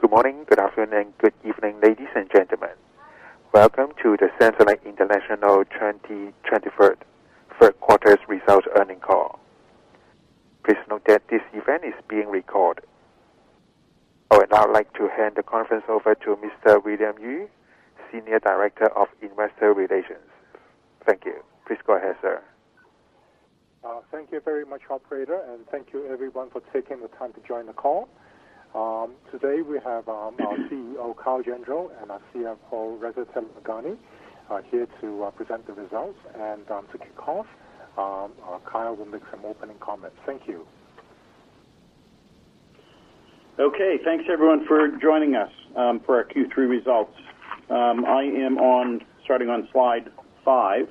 Good morning, good afternoon, good evening, ladies and gentlemen. Welcome to the Samsonite International 2023 Third Quarter Results Earnings Call. Please note that this event is being recorded. I would now like to hand the conference over to Mr. William Yue, Senior Director of Investor Relations. Thank you. Please go ahead, sir. Thank you very much, operator, and thank you everyone for taking the time to join the call. Today, we have our CEO, Kyle Gendreau, and our CFO, Reza Taleghani, here to present the results. To kick off, Kyle will make some opening comments. Thank you. Okay. Thanks, everyone, for joining us for our Q3 results. I'm starting on slide 5.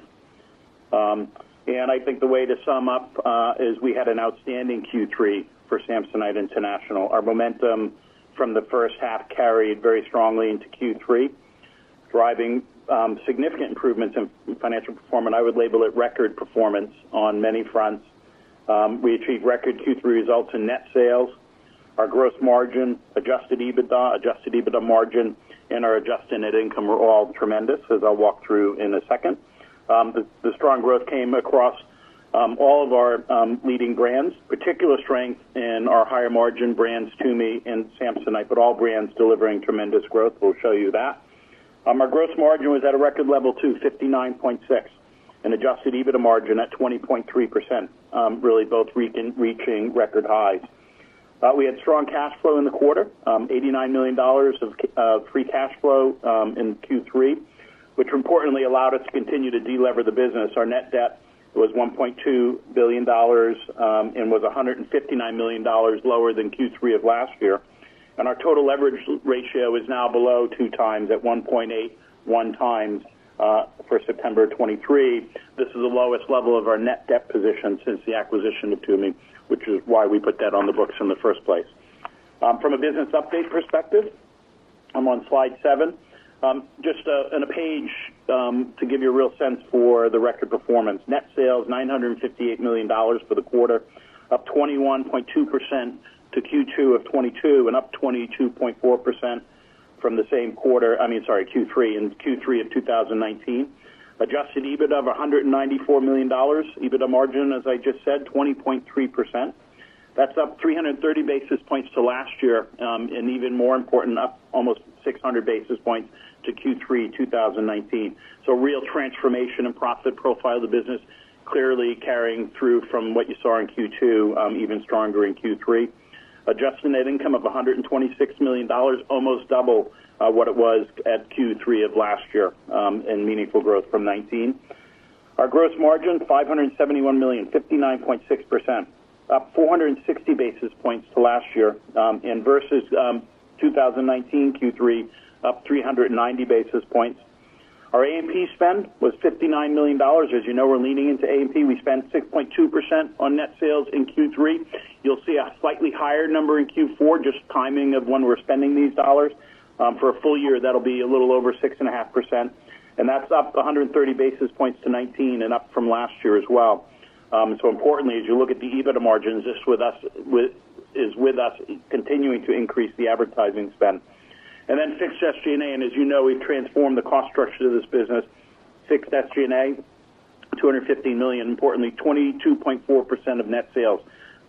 I think the way to sum up is we had an outstanding Q3 for Samsonite International. Our momentum from the first half carried very strongly into Q3, driving significant improvements in financial performance. I would label it record performance on many fronts. We achieved record Q3 results in net sales. Our gross margin, Adjusted EBITDA, Adjusted EBITDA margin, and our adjusted net income were all tremendous, as I'll walk through in a second. The strong growth came across all of our leading brands, particular strength in our higher-margin brands, Tumi and Samsonite, but all brands delivering tremendous growth. We'll show you that. Our gross margin was at a record level, too, 59.6, and Adjusted EBITDA margin at 20.3%, really both reaching record highs. We had strong cash flow in the quarter, $89 million of free cash flow, in Q3, which importantly allowed us to continue to delever the business. Our net debt was $1.2 billion, and was $159 million lower than Q3 of last year. And our total leverage ratio is now below 2 times at 1.81 times, for September of 2023. This is the lowest level of our net debt position since the acquisition of TUMI, which is why we put that on the books in the first place. From a business update perspective, I'm on slide 7. Just in a page, to give you a real sense for the record performance. Net sales, $958 million for the quarter, up 21.2% to Q2 of 2022 and up 22.4% from the same quarter—I mean, sorry, Q3, in Q3 of 2019. Adjusted EBITDA of $194 million. EBITDA margin, as I just said, 20.3%. That's up 330 basis points to last year, and even more important, up almost 600 basis points to Q3 2019. So real transformation and profit profile of the business, clearly carrying through from what you saw in Q2, even stronger in Q3. Adjusted net income of $126 million, almost double, what it was at Q3 of last year, and meaningful growth from 2019. Our gross margin, $571 million, 59.6%, up 460 basis points to last year, and versus 2019 Q3, up 390 basis points. Our A&P spend was $59 million. As you know, we're leaning into A&P. We spent 6.2% on net sales in Q3. You'll see a slightly higher number in Q4, just timing of when we're spending these dollars. For a full year, that'll be a little over 6.5%, and that's up 130 basis points to 2019 and up from last year as well. So importantly, as you look at the EBITDA margins, this, with us continuing to increase the advertising spend. And then fixed SG&A, and as you know, we've transformed the cost structure of this business. Fixed SG&A, $250 million, importantly, 22.4% of net sales,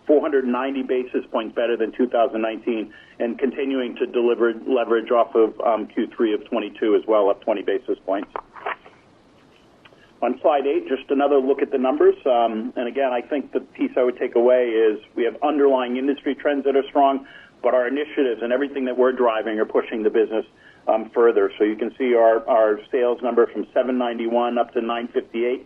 490 basis points better than 2019, and continuing to deliver leverage off of Q3 of 2022 as well, up 20 basis points. On slide 8, just another look at the numbers. And again, I think the piece I would take away is we have underlying industry trends that are strong, but our initiatives and everything that we're driving are pushing the business further. So you can see our sales number from $791 million up to $958 million.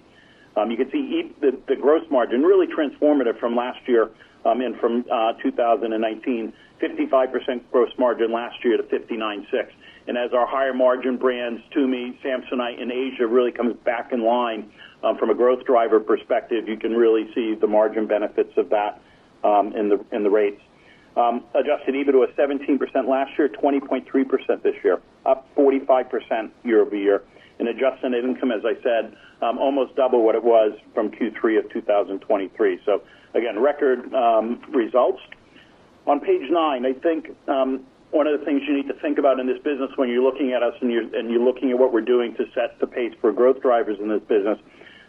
You can see the gross margin, really transformative from last year and from 2019. 55% gross margin last year to 59.6%. As our higher-margin brands, TUMI, Samsonite, and Asia, really comes back in line, from a growth driver perspective, you can really see the margin benefits of that, in the rates. Adjusted EBITDA was 17% last year, 20.3% this year, up 45% year-over-year. And adjusted net income, as I said, almost double what it was from Q3 of 2023. So again, record results. On page 9, I think, one of the things you need to think about in this business when you're looking at us and you're, and you're looking at what we're doing to set the pace for growth drivers in this business,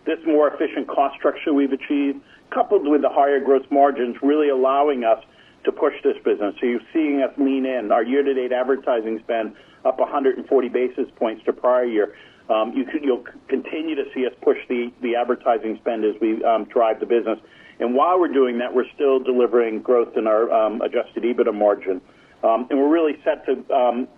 this more efficient cost structure we've achieved, coupled with the higher gross margins, really allowing us to push this business. So you're seeing us lean in. Our year-to-date advertising spend up 140 basis points to prior year. You'll continue to see us push the advertising spend as we drive the business. And while we're doing that, we're still delivering growth in our Adjusted EBITDA margin. And we're really set to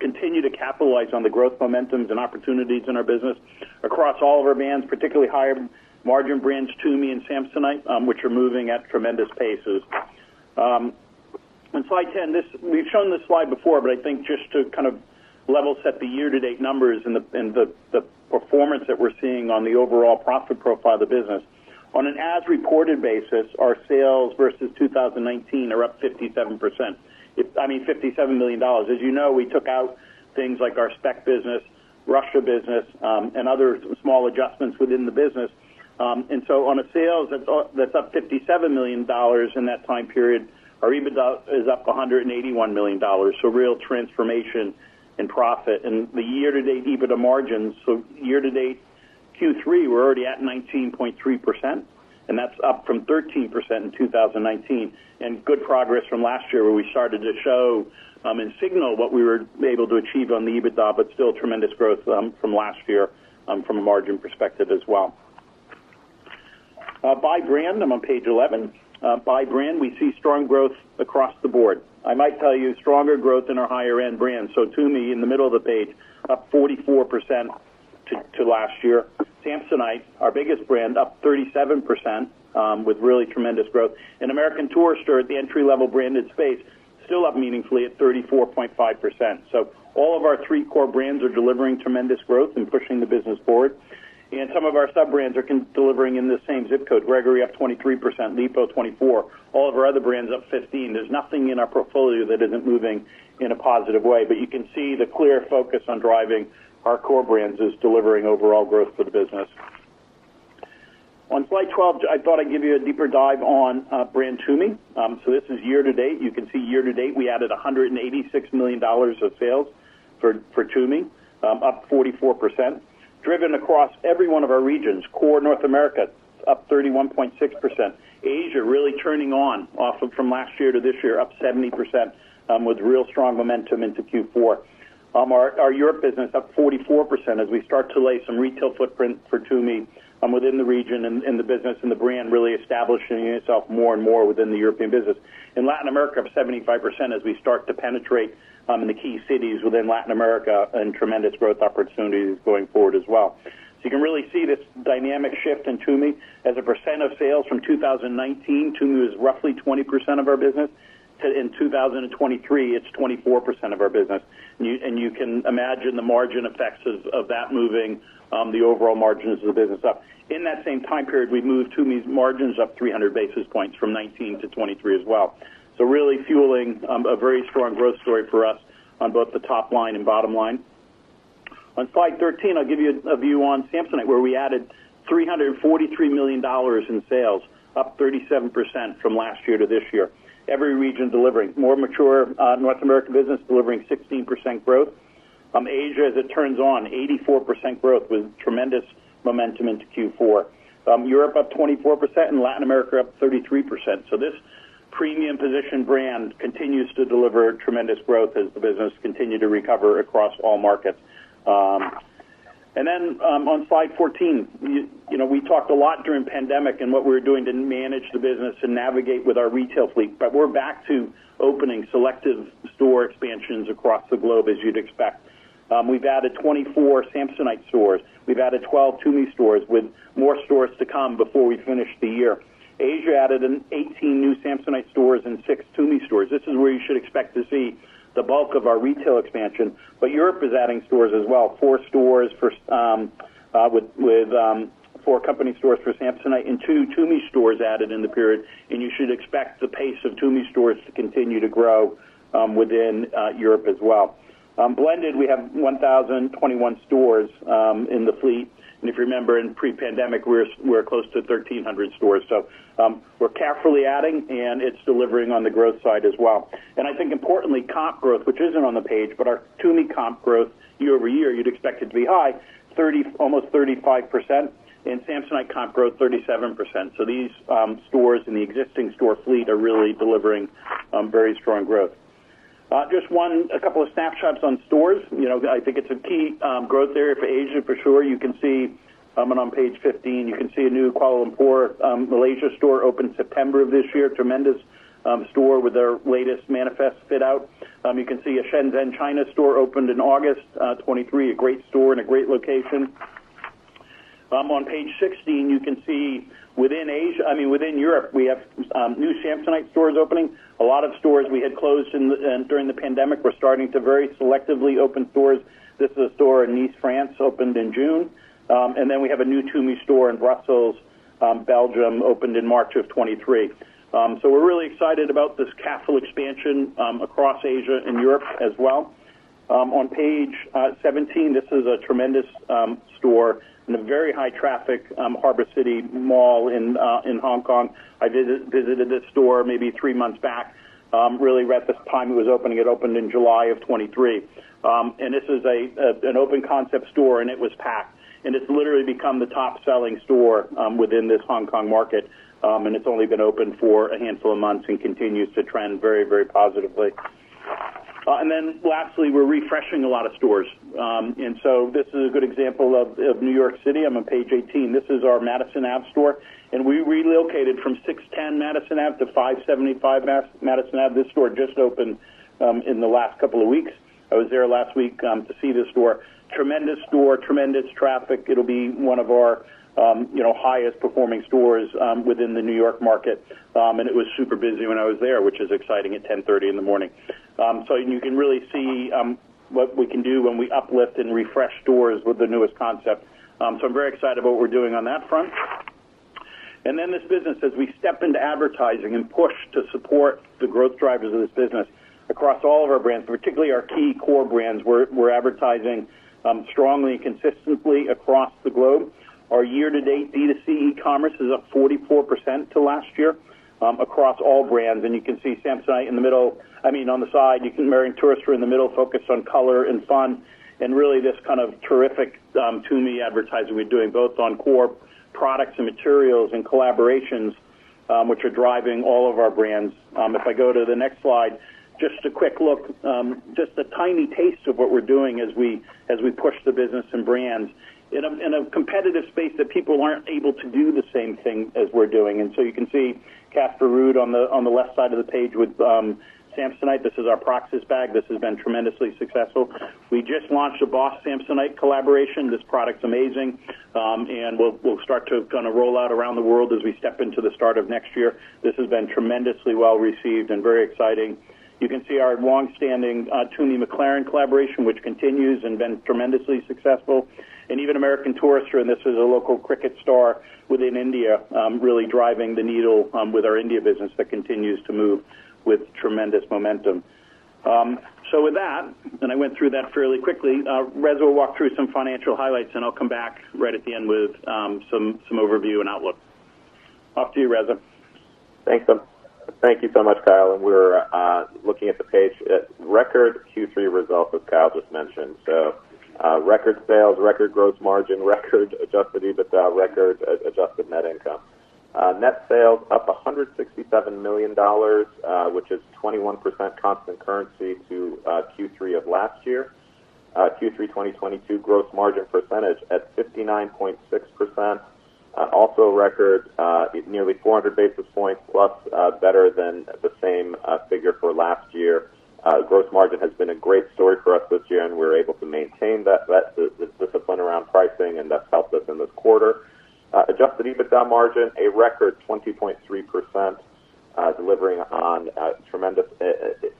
continue to capitalize on the growth momentums and opportunities in our business across all of our brands, particularly higher-margin brands, TUMI and Samsonite, which are moving at tremendous paces. On slide 10, this. We've shown this slide before, but I think just to kind of level set the year-to-date numbers and the performance that we're seeing on the overall profit profile of the business. On an as-reported basis, our sales versus 2019 are up 57%. I mean, $57 million. As you know, we took out things like our Speck business, Russia business, and other small adjustments within the business. And so on a sales that's up $57 million in that time period, our EBITDA is up $181 million. So real transformation in profit. And the year-to-date EBITDA margins, so year-to-date Q3, we're already at 19.3%, and that's up from 13% in 2019, and good progress from last year, where we started to show, and signal what we were able to achieve on the EBITDA, but still tremendous growth, from last year, from a margin perspective as well. By brand, I'm on page 11. By brand, we see strong growth across the board. I might tell you, stronger growth in our higher-end brands. So TUMI, in the middle of the page, up 44% to last year. Samsonite, our biggest brand, up 37%, with really tremendous growth. And American Tourister, at the entry-level branded space, still up meaningfully at 34.5%. So all of our three core brands are delivering tremendous growth and pushing the business forward. And some of our sub-brands are delivering in the same zip code. Gregory, up 23%, Lipault, 24%. All of our other brands up 15%. There's nothing in our portfolio that isn't moving in a positive way. But you can see the clear focus on driving our core brands is delivering overall growth for the business. On slide 12, I thought I'd give you a deeper dive on brand TUMI. So this is year to date. You can see year to date, we added $186 million of sales for TUMI, up 44%, driven across every one of our regions. Core North America, up 31.6%. Asia, really turning on from last year to this year, up 70%, with real strong momentum into Q4. Our Europe business up 44% as we start to lay some retail footprint for TUMI within the region and the business, and the brand really establishing itself more and more within the European business. In Latin America, up 75% as we start to penetrate in the key cities within Latin America, and tremendous growth opportunities going forward as well. So you can really see this dynamic shift in TUMI. As a percent of sales from 2019, TUMI was roughly 20% of our business. Going into 2023, it's 24% of our business. And you can imagine the margin effects of that moving the overall margins of the business up. In that same time period, we've moved TUMI's margins up 300 basis points from 2019 to 2023 as well. So really fueling a very strong growth story for us on both the top line and bottom line. On slide 13, I'll give you a view on Samsonite, where we added $343 million in sales, up 37% from last year to this year. Every region delivering. More mature North American business delivering 16% growth. Asia, as it turns out, 84% growth, with tremendous momentum into Q4. Europe, up 24%, and Latin America, up 33%. This premium position brand continues to deliver tremendous growth as the business continue to recover across all markets. On slide 14, you know, we talked a lot during pandemic and what we were doing to manage the business and navigate with our retail fleet, but we're back to opening selective store expansions across the globe, as you'd expect. We've added 24 Samsonite stores. We've added 12 TUMI stores, with more stores to come before we finish the year. Asia added 18 new Samsonite stores and 6 TUMI stores. This is where you should expect to see the bulk of our retail expansion, but Europe is adding stores as well. Four stores with four company stores for Samsonite and two TUMI stores added in the period, and you should expect the pace of TUMI stores to continue to grow within Europe as well. Blended, we have 1,021 stores in the fleet, and if you remember, in pre-pandemic, we were close to 1,300 stores. So, we're carefully adding, and it's delivering on the growth side as well. And I think importantly, comp growth, which isn't on the page, but our TUMI comp growth year over year, you'd expect it to be high 30-almost 35%, and Samsonite comp growth 37%. So these stores in the existing store fleet are really delivering very strong growth. Just a couple of snapshots on stores. You know, I think it's a key growth area for Asia, for sure. You can see, and on page 15, you can see a new Kuala Lumpur, Malaysia store opened September of this year. Tremendous store with their latest Manifest fit out. You can see a Shenzhen, China store opened in August 2023. A great store and a great location. On page 16, you can see within Asia, I mean, within Europe, we have new Samsonite stores opening. A lot of stores we had closed during the pandemic, we're starting to very selectively open stores. This is a store in Nice, France, opened in June. And then we have a new TUMI Store in Brussels, Belgium, opened in March 2023. So we're really excited about this careful expansion across Asia and Europe as well. On page 17, this is a tremendous store in a very high traffic Harbour City mall in Hong Kong. I visited this store maybe three months back, really right at the time it was opening. It opened in July of 2023. And this is an open concept store, and it was packed, and it's literally become the top-selling store within this Hong Kong market. And it's only been open for a handful of months and continues to trend very, very positively. And then lastly, we're refreshing a lot of stores. And so this is a good example of New York City. I'm on page 18. This is our Madison Avenue store, and we relocated from 610 Madison Avenue to 575 Madison Avenue. This store just opened in the last couple of weeks. I was there last week to see this store. Tremendous store, tremendous traffic. It'll be one of our, you know, highest performing stores within the New York market. And it was super busy when I was there, which is exciting at 10:30 A.M. So and you can really see what we can do when we uplift and refresh stores with the newest concept. So I'm very excited about what we're doing on that front.... And then this business, as we step into advertising and push to support the growth drivers of this business across all of our brands, particularly our key core brands, we're, we're advertising strongly and consistently across the globe. Our year-to-date B2C e-commerce is up 44% to last year across all brands. You can see Samsonite in the middle. I mean, on the side. You can—American Tourister in the middle, focused on color and fun, and really this kind of terrific TUMI advertising we're doing, both on core products and materials and collaborations, which are driving all of our brands. If I go to the next slide, just a quick look, just a tiny taste of what we're doing as we, as we push the business and brands in a, in a competitive space that people aren't able to do the same thing as we're doing. And so you can see Casper Ruud on the, on the left side of the page with, Samsonite. This is our Proxis bag. This has been tremendously successful. We just launched a Boss Samsonite collaboration. This product's amazing, and we'll start to kind of roll out around the world as we step into the start of next year. This has been tremendously well-received and very exciting. You can see our long-standing TUMI McLaren collaboration, which continues and been tremendously successful. Even American Tourister, and this is a local cricket star within India, really driving the needle, with our India business that continues to move with tremendous momentum. So with that, and I went through that fairly quickly, Reza will walk through some financial highlights, and I'll come back right at the end with some overview and outlook. Off to you, Reza. Thanks. Thank you so much, Kyle. We're looking at the page at record Q3 results, as Kyle just mentioned. Record sales, record gross margin, record adjusted EBITDA, record adjusted net income. Net sales up $167 million, which is 21% constant currency to Q3 of last year. Q3 2022 gross margin percentage at 59.6%. Also record, nearly 400 basis points better than the same figure for last year. Gross margin has been a great story for us this year, and we're able to maintain that discipline around pricing, and that's helped us in this quarter. Adjusted EBITDA margin, a record 20.3%, delivering on tremendous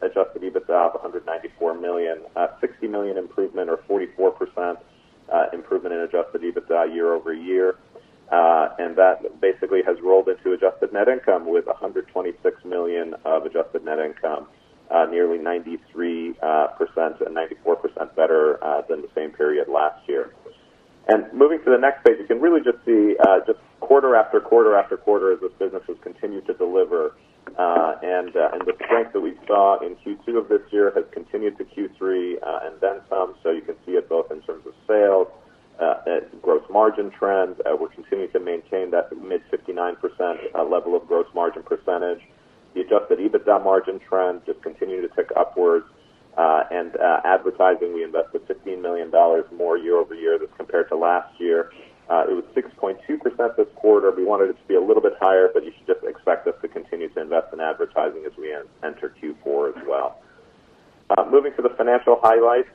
adjusted EBITDA of $194 million. $60 million improvement or 44% improvement in Adjusted EBITDA year-over-year. And that basically has rolled into Adjusted Net Income with $126 million of Adjusted Net Income, nearly 93% and 94% better than the same period last year. And moving to the next page, you can really just see just quarter after quarter after quarter as this business has continued to deliver. And the strength that we saw in Q2 of this year has continued to Q3, and then some. So you can see it both in terms of sales, gross margin trends. We're continuing to maintain that mid-59% level of gross margin percentage. The Adjusted EBITDA margin trends just continue to tick upwards. Advertising, we invested $15 million more year-over-year as compared to last year. It was 6.2% this quarter. We wanted it to be a little bit higher, but you should just expect us to continue to invest in advertising as we enter Q4 as well. Moving to the financial highlights,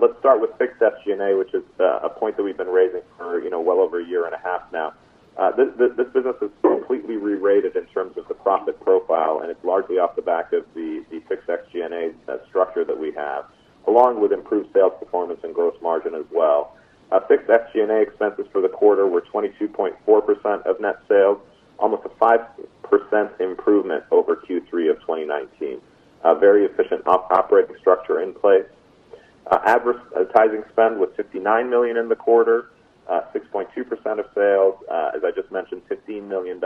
let's start with Fixed SG&A, which is a point that we've been raising for, you know, well over a year and a half now. This business is completely rerated in terms of the profit profile, and it's largely off the back of the Fixed SG&A structure that we have, along with improved sales performance and gross margin as well. Fixed SG&A expenses for the quarter were 22.4% of net sales, almost a 5% improvement over Q3 of 2019. Very efficient operating structure in place. Advertising spend was $59 million in the quarter, 6.2% of sales. As I just mentioned, $15 million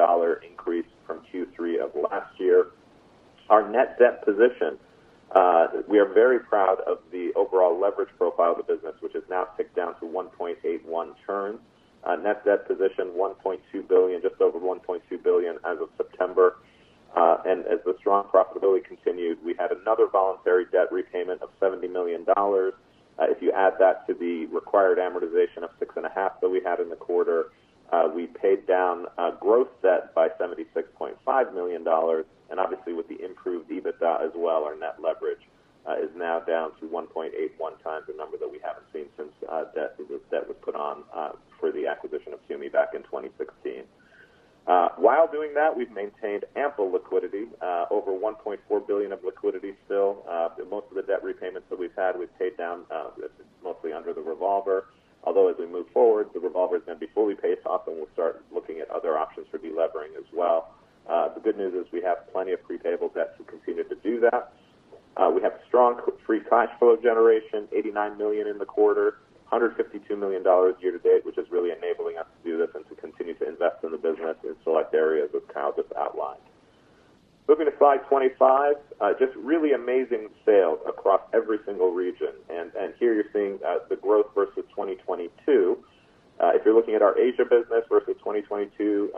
increase from Q3 of last year. Our net debt position, we are very proud of the overall leverage profile of the business, which has now ticked down to 1.81 turns. Net debt position, $1.2 billion, just over $1.2 billion as of September. And as the strong profitability continued, we had another voluntary debt repayment of $70 million. If you add that to the required amortization of $6.5 million that we had in the quarter, we paid down gross debt by $76.5 million. Obviously, with the improved EBITDA as well, our net leverage is now down to 1.81 times, a number that we haven't seen since debt was put on for the acquisition of TUMI back in 2016. While doing that, we've maintained ample liquidity, over $1.4 billion of liquidity still. Most of the debt repayments that we've had, we've paid down mostly under the revolver. Although, as we move forward, the revolver is going to be fully paid off, and we'll start looking at other options for delevering as well. The good news is we have plenty of pre-payable debt to continue to do that. We have strong free cash flow generation, $89 million in the quarter, $152 million year to date, which is really enabling us to do this and to continue to invest in the business in select areas, as Kyle just outlined. Moving to slide 25, just really amazing sales across every single region. Here you're seeing the growth versus 2022. If you're looking at our Asia business versus 2022,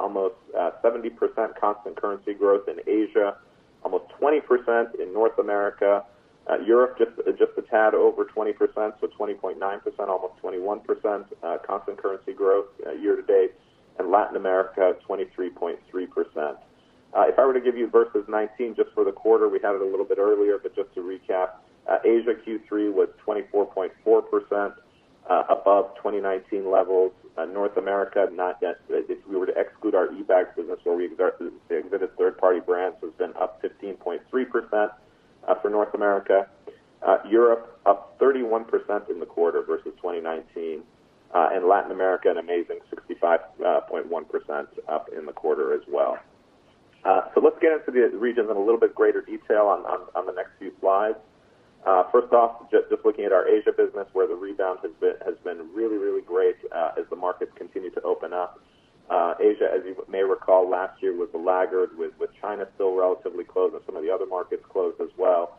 almost 70% constant currency growth in Asia, almost 20% in North America. Europe, just a tad over 20%, so 20.9%, almost 21%, constant currency growth year to date, and Latin America, 23.3%. If I were to give you versus 2019, just for the quarter, we had it a little bit earlier, but just to recap, Asia Q3 was 24.4% above 2019 levels. North America, if we were to exclude our eBags business or the other third-party brands, it was then up 15.3% for North America. Europe, up 31% in the quarter versus 2019, and Latin America, an amazing 65.1% up in the quarter as well. So let's get into the regions in a little bit greater detail on, on, on the next few slides. First off, just, just looking at our Asia business, where the rebound has been, has been really, really great, as the markets continue to open up. Asia, as you may recall, last year, was the laggard, with China still relatively closed and some of the other markets closed as well.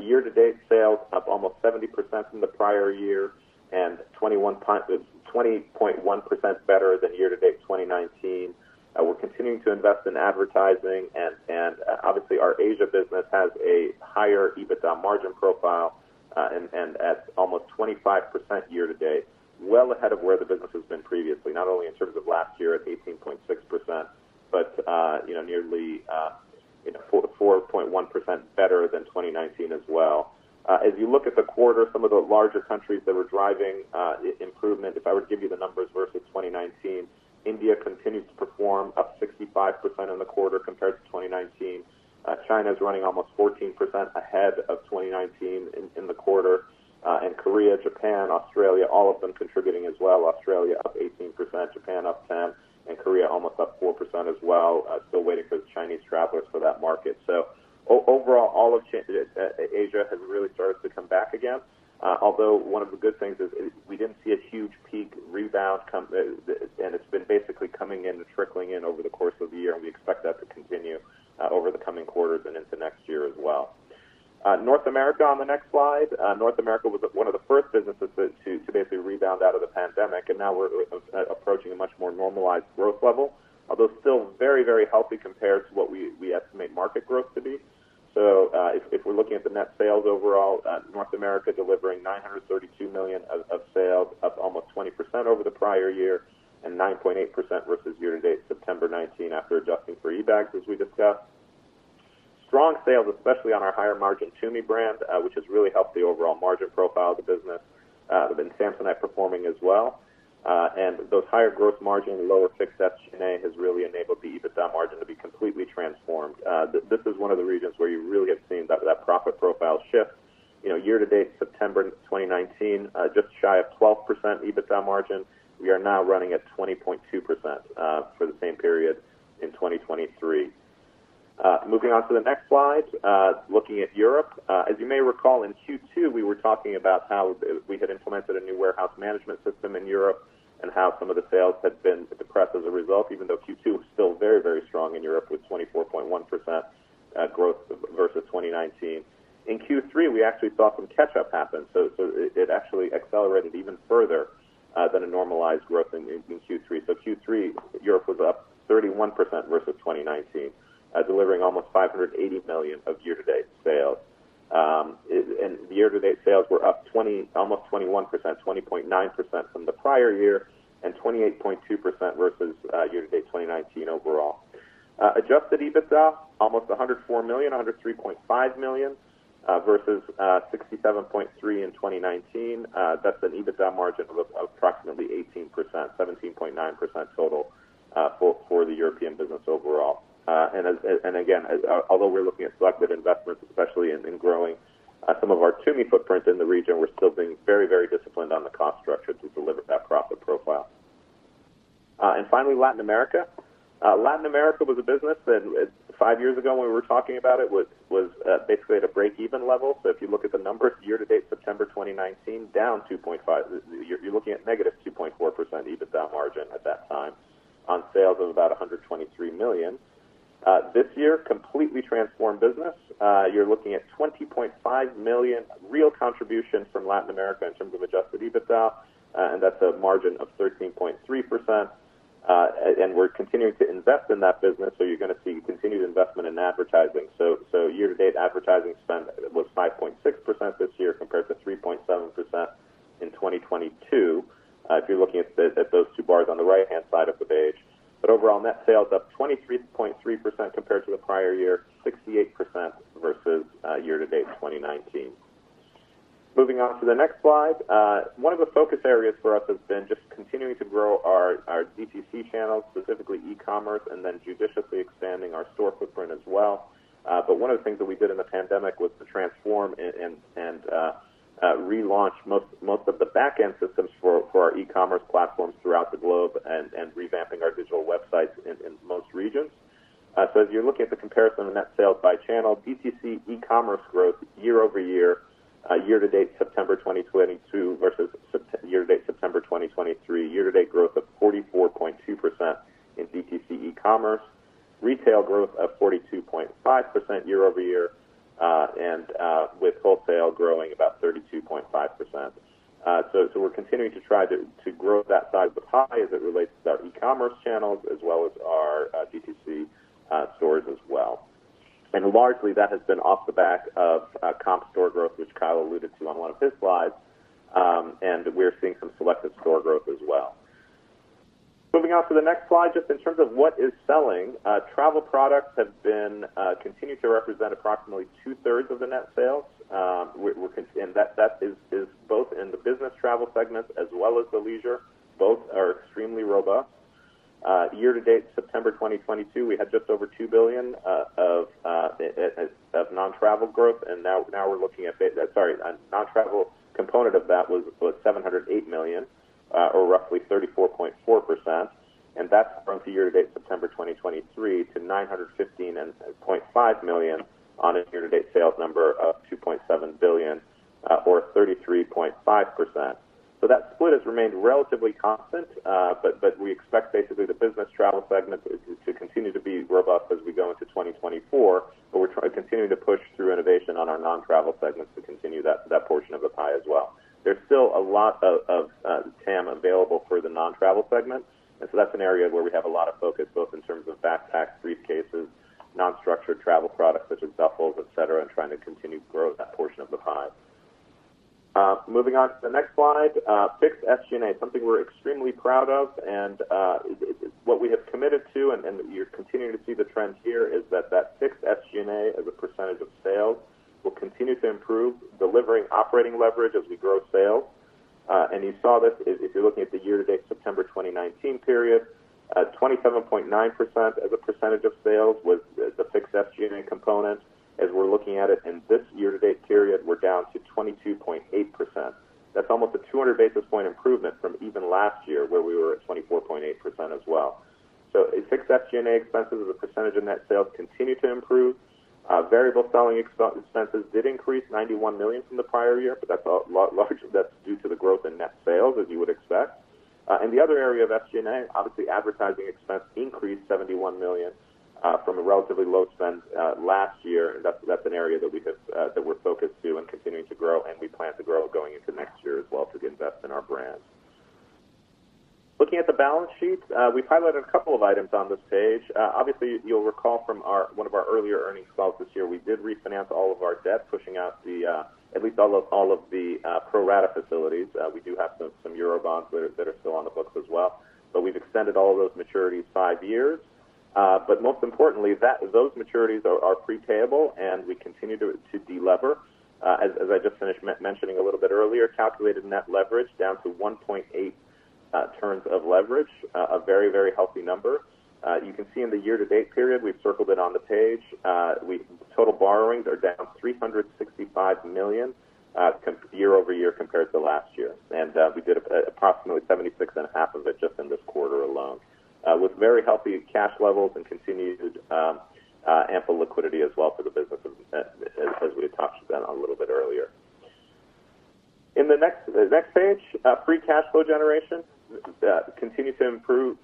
Year-to-date sales up almost 70% from the prior year and 20.1% better than year-to-date 2019. We're continuing to invest in advertising and obviously, our Asia business has a higher EBITDA margin profile, and at almost 25% year to date, well ahead of where the business has been previously, not only in terms of last year at 18.6%, but you know, nearly 4.1% better than 2019 as well. As you look at the quarter, some of the larger countries that were driving improvement, if I were to give you the numbers versus 2019, India continues to perform up 65% in the quarter compared to 2019. China is running almost 14% ahead of 2019 in the quarter. And Korea, Japan, Australia, all of them contributing as well. Australia, up 18%, Japan up 10%, and Korea almost up 4% as well. Still waiting for the Chinese travelers for that market. So overall, all of Asia has really started to come back again. Although one of the good things is, we didn't see a huge peak rebound come, and it's been basically coming in and trickling in over the course of the year, and we expect that to continue over the coming quarters and into next year as well. North America on the next slide. North America was one of the first businesses to basically rebound out of the pandemic, and now we're approaching a much more normalized growth level, although still very, very healthy compared to what we estimate market growth to be. So, if we're looking at the net sales overall, North America delivering $932 million of sales, up almost 20% over the prior year and 9.8% versus year-to-date September 2019, after adjusting for eBags, as we discussed. Strong sales, especially on our higher margin TUMI brand, which has really helped the overall margin profile of the business. Samsonite performing as well. And those higher growth margin, lower fixed SG&A, has really enabled the EBITDA margin to be completely transformed. This is one of the regions where you really have seen that, that profit profile shift. You know, year to date, September 2019, just shy of 12% EBITDA margin. We are now running at 20.2%, for the same period in 2023. Moving on to the next slide. Looking at Europe, as you may recall, in Q2, we were talking about how we had implemented a new warehouse management system in Europe and how some of the sales had been depressed as a result, even though Q2 was still very, very strong in Europe, with 24.1% growth versus 2019. In Q3, we actually saw some catch-up happen, so it actually accelerated even further than a normalized growth in Q3. So Q3, Europe was up 31% versus 2019, delivering almost $580 million of year-to-date sales. And year-to-date sales were up almost 21%, 20.9% from the prior year, and 28.2% versus year-to-date 2019 overall. Adjusted EBITDA, almost $104 million, $103.5 million, versus $67.3 million in 2019. That's an EBITDA margin of approximately 18%, 17.9% total, for the European business overall. And again, although we're looking at selective investments, especially in growing some of our TUMI footprints in the region, we're still being very, very disciplined on the cost structure to deliver that profit profile. And finally, Latin America. Latin America was a business that five years ago, when we were talking about it, was basically at a break-even level. So if you look at the numbers, year to date, September 2019, down 2.5. You're looking at -2.4% EBITDA margin at that time on sales of about $123 million. This year, completely transformed business. You're looking at $20.5 million real contribution from Latin America in terms of adjusted EBITDA, and that's a margin of 13.3%. And we're continuing to invest in that business, so you're gonna see continued investment in advertising. So, so year-to-date advertising spend was 5.6% this year, compared to 3.7% in 2022. If you're looking at those two bars on the right-hand side of the page, but overall, net sales up 23.3% compared to the prior year, 68% versus year-to-date 2019. Moving on to the next slide. One of the focus areas for us has been just continuing to grow our DTC channels, specifically e-commerce, and then judiciously expanding our store footprint as well. But one of the things that we did in the pandemic was to transform and relaunch most of the back-end systems for our e-commerce platforms throughout the globe and revamping our digital websites in most regions. So if you're looking at the comparison of net sales by channel, DTC e-commerce growth year over year, year to date, September 2022, versus year to date, September 2023. Year to date growth of 44.2% in DTC e-commerce. Retail growth of 42.5% year over year, with wholesale growing about 32.5%. So, we're continuing to try to grow that size of the pie as it relates to our e-commerce channels, as well as our DTC stores as well. And largely, that has been off the back of comp store growth, which Kyle alluded to on one of his slides. And we're seeing some selective store growth as well. Moving on to the next slide, just in terms of what is selling, travel products have continued to represent approximately two-thirds of the net sales. We're continuing, and that is both in the business travel segments as well as the leisure. Both are extremely robust. Year-to-date, September 2022, we had just over $2 billion of non-travel growth. And now we're looking at, sorry, non-travel component of that was $708 million or roughly 34.4%. And that's from the year-to-date, September 2023, to $915.5 million on a year-to-date sales number of $2.7 billion or 33.5%. So that split has remained relatively constant, but we expect basically the business travel segment to continue to be robust as we go into 2024. But we're continuing to push through innovation on our non-travel segments to continue that portion of the pie as well. There's still a lot of TAM available for the non-travel segment, and so that's an area where we have a lot of focus, both in terms of backpacks, briefcases, non-structured travel products, such as duffels, et cetera, and trying to continue to grow that portion of the pie. Moving on to the next slide, Fixed SG&A, something we're extremely proud of, and what we have committed to, and you're continuing to see the trend here, is that that Fixed SG&A, as a percentage of sales, will continue to improve, delivering operating leverage as we grow sales. And you saw this, if you're looking at the year-to-date, September 2019 period, 27.9% as a percentage of sales was the Fixed SG&A component. As we're looking at it in this year-to-date period, we're down to 22.8%. That's almost a 200 basis point improvement from even last year, where we were at 24.8% as well. So fixed SG&A expenses as a percentage of net sales continue to improve. Variable selling expenses did increase $91 million from the prior year, but that's a large. That's due to the growth in net sales, as you would expect. And the other area of SG&A, obviously, advertising expense increased $71 million from a relatively low spend last year. That's an area that we're focused to and continuing to grow, and we plan to grow going into next year as well to invest in our brand. Looking at the balance sheet, we highlighted a couple of items on this page. Obviously, you'll recall from our... One of our earlier earnings calls this year, we did refinance all of our debt, pushing out the at least all of the pro rata facilities. We do have some euro bonds that are still on the books as well, but we've extended all of those maturities five years. But most importantly, those maturities are prepayable, and we continue to delever. As I just finished mentioning a little bit earlier, calculated net leverage down to 1.8 terms of leverage, a very, very healthy number. You can see in the year-to-date period, we've circled it on the page, total borrowings are down $365 million year-over-year compared to last year. We did approximately $76.5 million of it just in this quarter alone, with very healthy cash levels and continued ample liquidity as well for the business, as we had touched on a little bit earlier. In the next page, free cash flow generation continue to improve.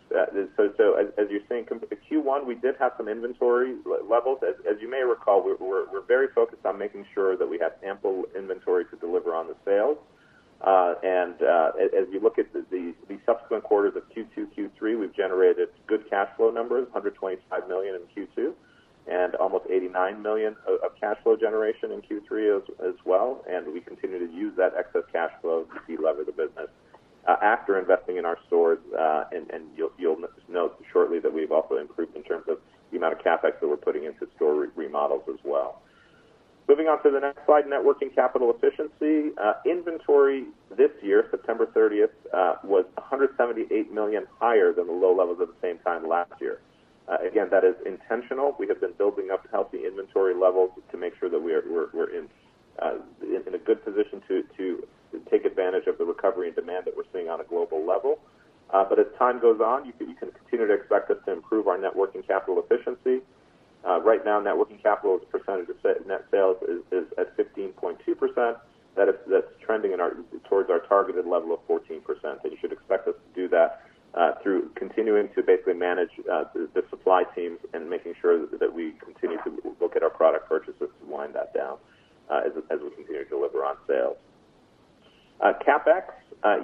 So as you're seeing, Q1, we did have some inventory levels. As you may recall, we're very focused on making sure that we have ample inventory to deliver on the sales. And as you look at the subsequent quarters of Q2, Q3, we've generated good cash flow numbers, $125 million in Q2 and almost $89 million of cash flow generation in Q3 as well. We continue to use that excess cash flow to delever the business, after investing in our stores. And you'll note shortly that we've also improved in terms of the amount of CapEx that we're putting into store remodels as well. Moving on to the next slide, net working capital efficiency. Inventory this year, September thirtieth, was $178 million higher than the low levels at the same time last year. Again, that is intentional. We have been building up healthy inventory levels to make sure that we are in a good position to take advantage of the recovery in demand that we're seeing on a global level. But as time goes on, you can continue to expect us to improve our net working capital efficiency. Right now, net working capital, as a percentage of net sales is at 15.2%. That's trending towards our targeted level of 14%, and you should expect us to do that through continuing to basically manage the supply teams and making sure that we continue to look at our product purchases to wind that down as we continue to deliver on sales. CapEx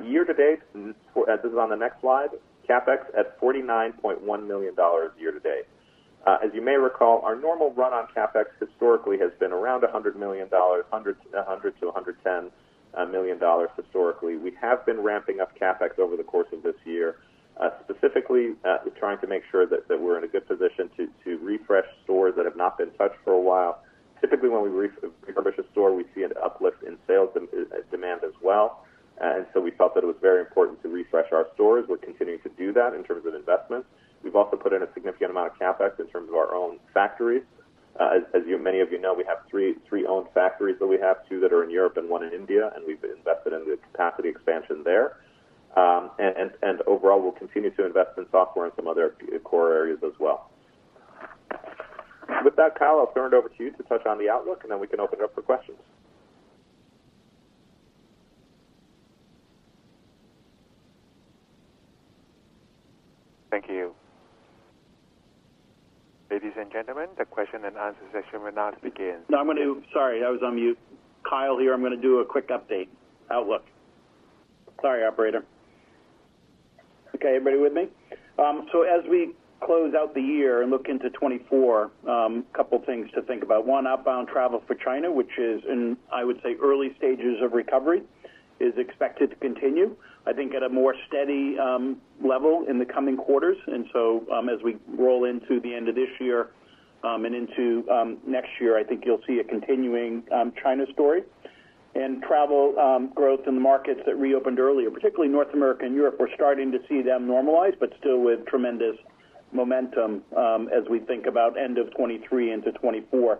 year to date, this is on the next slide. CapEx at $49.1 million year to date. As you may recall, our normal run on CapEx historically has been around $100 million, $100 million-$110 million historically. We have been ramping up CapEx over the course of this year, specifically, trying to make sure that we're in a good position to refresh stores that have not been touched for a while. Typically, when we refurbish a store, we see an uplift in sales and demand as well. And so we felt that it was very important to refresh our stores. We're continuing to do that in terms of investments. We've also put in a significant amount of CapEx in terms of our own factories. As many of you know, we have three owned factories, two that are in Europe and one in India, and we've invested in the capacity expansion there. And overall, we'll continue to invest in software and some other core areas as well. With that, Kyle, I'll turn it over to you to touch on the outlook, and then we can open it up for questions. Thank you. Ladies and gentlemen, the question and answer session will now begin. No, I'm going to... Sorry, I was on mute. Kyle here. I'm going to do a quick update. Outlook. Sorry, operator. Okay, everybody with me? So as we close out the year and look into 2024, a couple of things to think about. One, outbound travel for China, which is in, I would say, early stages of recovery, is expected to continue, I think, at a more steady level in the coming quarters. And so, as we roll into the end of this year, and into next year, I think you'll see a continuing China story.... and travel, growth in the markets that reopened earlier, particularly North America and Europe. We're starting to see them normalize, but still with tremendous momentum, as we think about end of 2023 into 2024.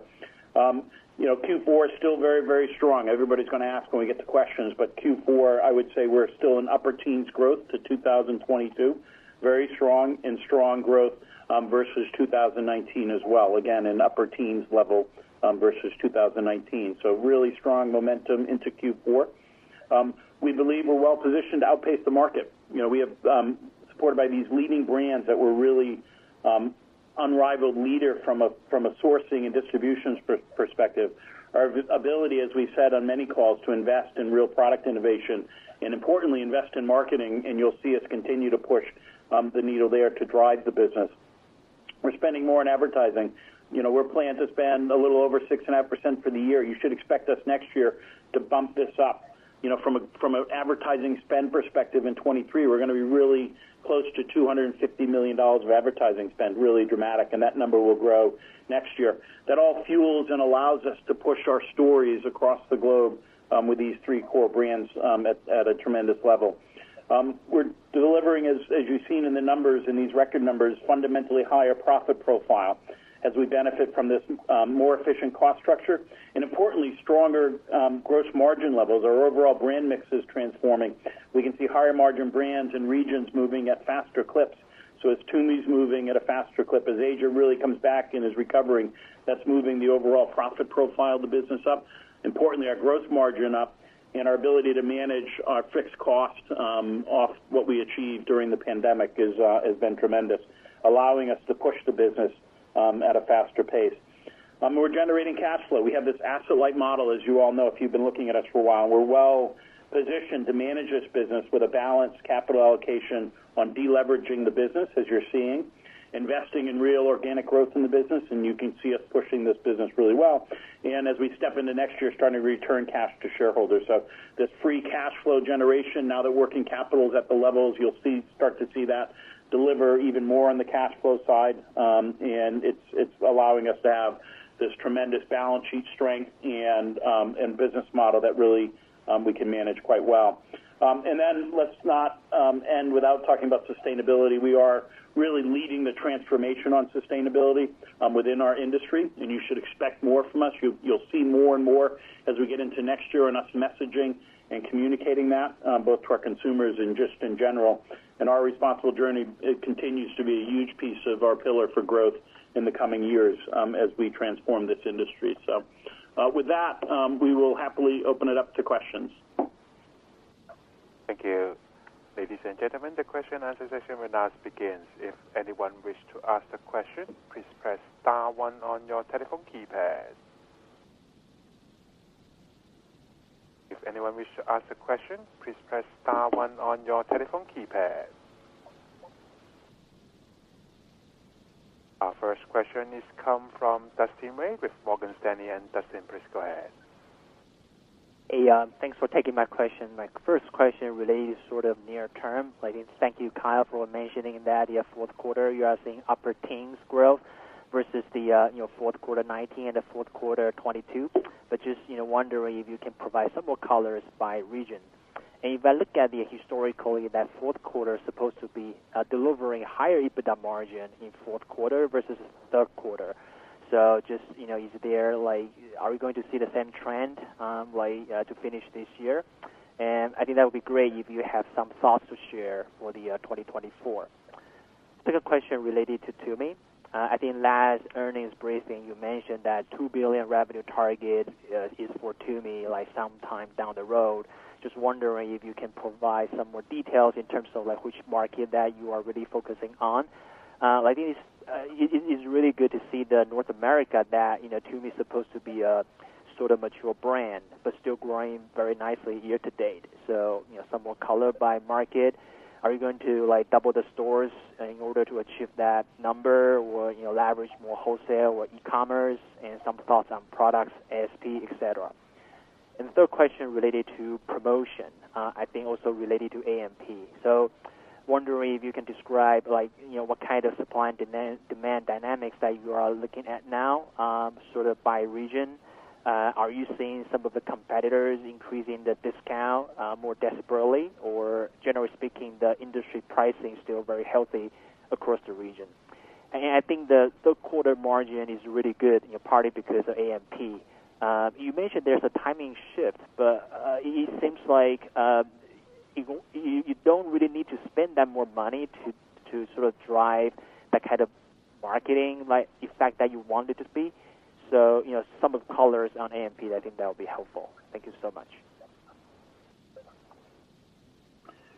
You know, Q4 is still very, very strong. Everybody's gonna ask when we get to questions, but Q4, I would say we're still in upper teens growth to 2022. Very strong and strong growth, versus 2019 as well. Again, in upper teens level, versus 2019. So really strong momentum into Q4. We believe we're well positioned to outpace the market. You know, we have, supported by these leading brands that we're really, unrivaled leader from a, from a sourcing and distribution perspective. Our ability, as we've said on many calls, to invest in real product innovation and importantly, invest in marketing, and you'll see us continue to push the needle there to drive the business. We're spending more on advertising. You know, we're planning to spend a little over 6.5% for the year. You should expect us next year to bump this up. You know, from an advertising spend perspective in 2023, we're gonna be really close to $250 million of advertising spend, really dramatic, and that number will grow next year. That all fuels and allows us to push our stories across the globe with these three core brands at a tremendous level. We're delivering, as you've seen in the numbers, in these record numbers, fundamentally higher profit profile as we benefit from this, more efficient cost structure and importantly, stronger, gross margin levels. Our overall brand mix is transforming. We can see higher margin brands and regions moving at faster clips. So as TUMI's moving at a faster clip, as Asia really comes back and is recovering, that's moving the overall profit profile of the business up. Importantly, our gross margin up and our ability to manage our fixed costs, off what we achieved during the pandemic is, has been tremendous, allowing us to push the business, at a faster pace. We're generating cash flow. We have this asset-light model, as you all know, if you've been looking at us for a while. We're well positioned to manage this business with a balanced capital allocation on deleveraging the business, as you're seeing, investing in real organic growth in the business, and you can see us pushing this business really well. As we step into next year, starting to return cash to shareholders. This free cash flow generation, now that working capital is at the levels, you'll see, start to see that deliver even more on the cash flow side. And it's allowing us to have this tremendous balance sheet strength and business model that really we can manage quite well. And then let's not end without talking about sustainability. We are really leading the transformation on sustainability within our industry, and you should expect more from us. You'll see more and more as we get into next year on our messaging and communicating that, both to our consumers and just in general. Our responsible journey, it continues to be a huge piece of our pillar for growth in the coming years, as we transform this industry. So, with that, we will happily open it up to questions. Thank you. Ladies and gentlemen, the question and answer session will now begins. If anyone wish to ask a question, please press star one on your telephone keypad. If anyone wish to ask a question, please press star one on your telephone keypad. Our first question is come from Dustin Wei with Morgan Stanley, and Dustin, please go ahead. Hey, thanks for taking my question. My first question relates sort of near term. Like, thank you, Kyle, for mentioning that your fourth quarter, you are seeing upper teens growth versus the, you know, fourth quarter 2019 and the fourth quarter 2022. But just, you know, wondering if you can provide some more colors by region. And if I look at the historically, that fourth quarter is supposed to be delivering higher EBITDA margin in fourth quarter versus third quarter. So just, you know, is there like... Are we going to see the same trend, like, to finish this year? And I think that would be great if you have some thoughts to share for the 2024. Second question related to TUMI. I think last earnings briefing, you mentioned that $2 billion revenue target is for TUMI, like sometime down the road. Just wondering if you can provide some more details in terms of like, which market that you are really focusing on. Like, it's really good to see the North America that, you know, TUMI is supposed to be a sort of mature brand, but still growing very nicely year to date. So, you know, some more color by market. Are you going to, like, double the stores in order to achieve that number or, you know, leverage more wholesale or e-commerce and some thoughts on products, ASP, et cetera? And third question related to promotion, I think also related to A&P. So wondering if you can describe like, you know, what kind of supply and demand dynamics that you are looking at now, sort of by region. Are you seeing some of the competitors increasing the discount, more desperately? Or generally speaking, the industry pricing is still very healthy across the region. And I think the third quarter margin is really good, partly because of A&P. You mentioned there's a timing shift, but, it seems like, you don't really need to spend that more money to, to sort of drive that kind of marketing, like, effect that you want it to be. So, you know, some of the colors on A&P, I think that would be helpful. Thank you so much.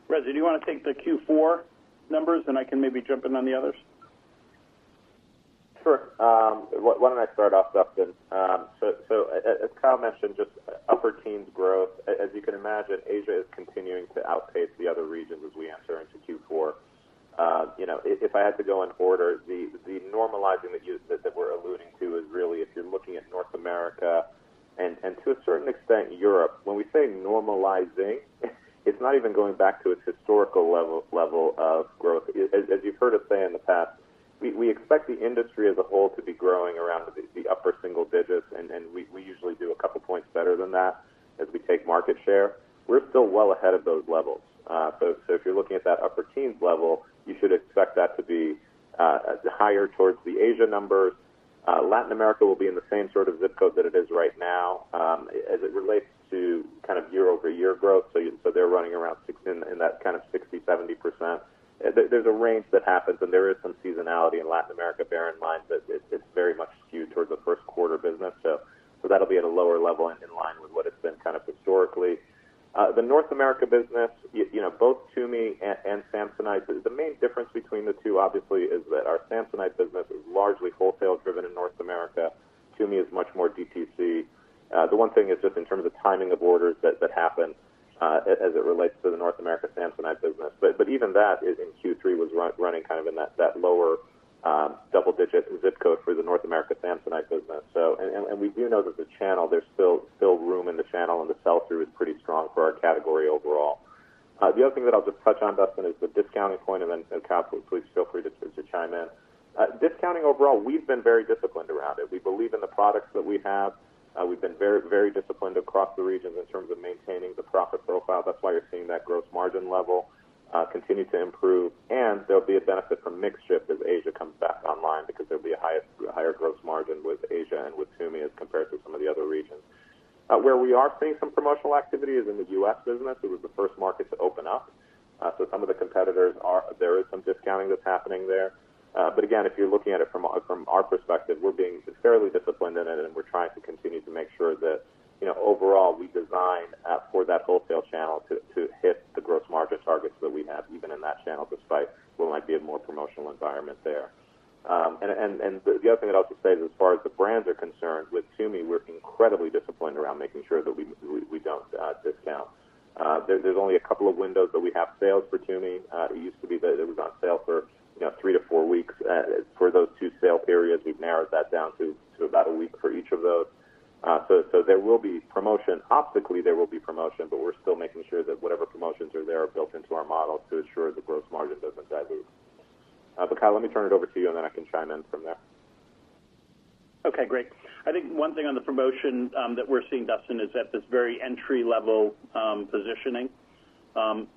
Reza, do you want to take the Q4 numbers, and I can maybe jump in on the others? Sure. Why don't I start off, Dustin? So as Kyle mentioned, just upper teens growth. As you can imagine, Asia is continuing to outpace the other regions as we enter into Q4. You know, if I had to go in order, the normalizing that you said that we're alluding to is really if you're looking at North America and to a certain extent, Europe. When we say normalizing, it's not even going back to its historical level of growth. As you've heard us say in the past, we expect the industry as a whole to be growing around the upper single digits, and we usually do a couple points better than that as we take market share. We're still well ahead of those levels. So if you're looking at that upper teens level,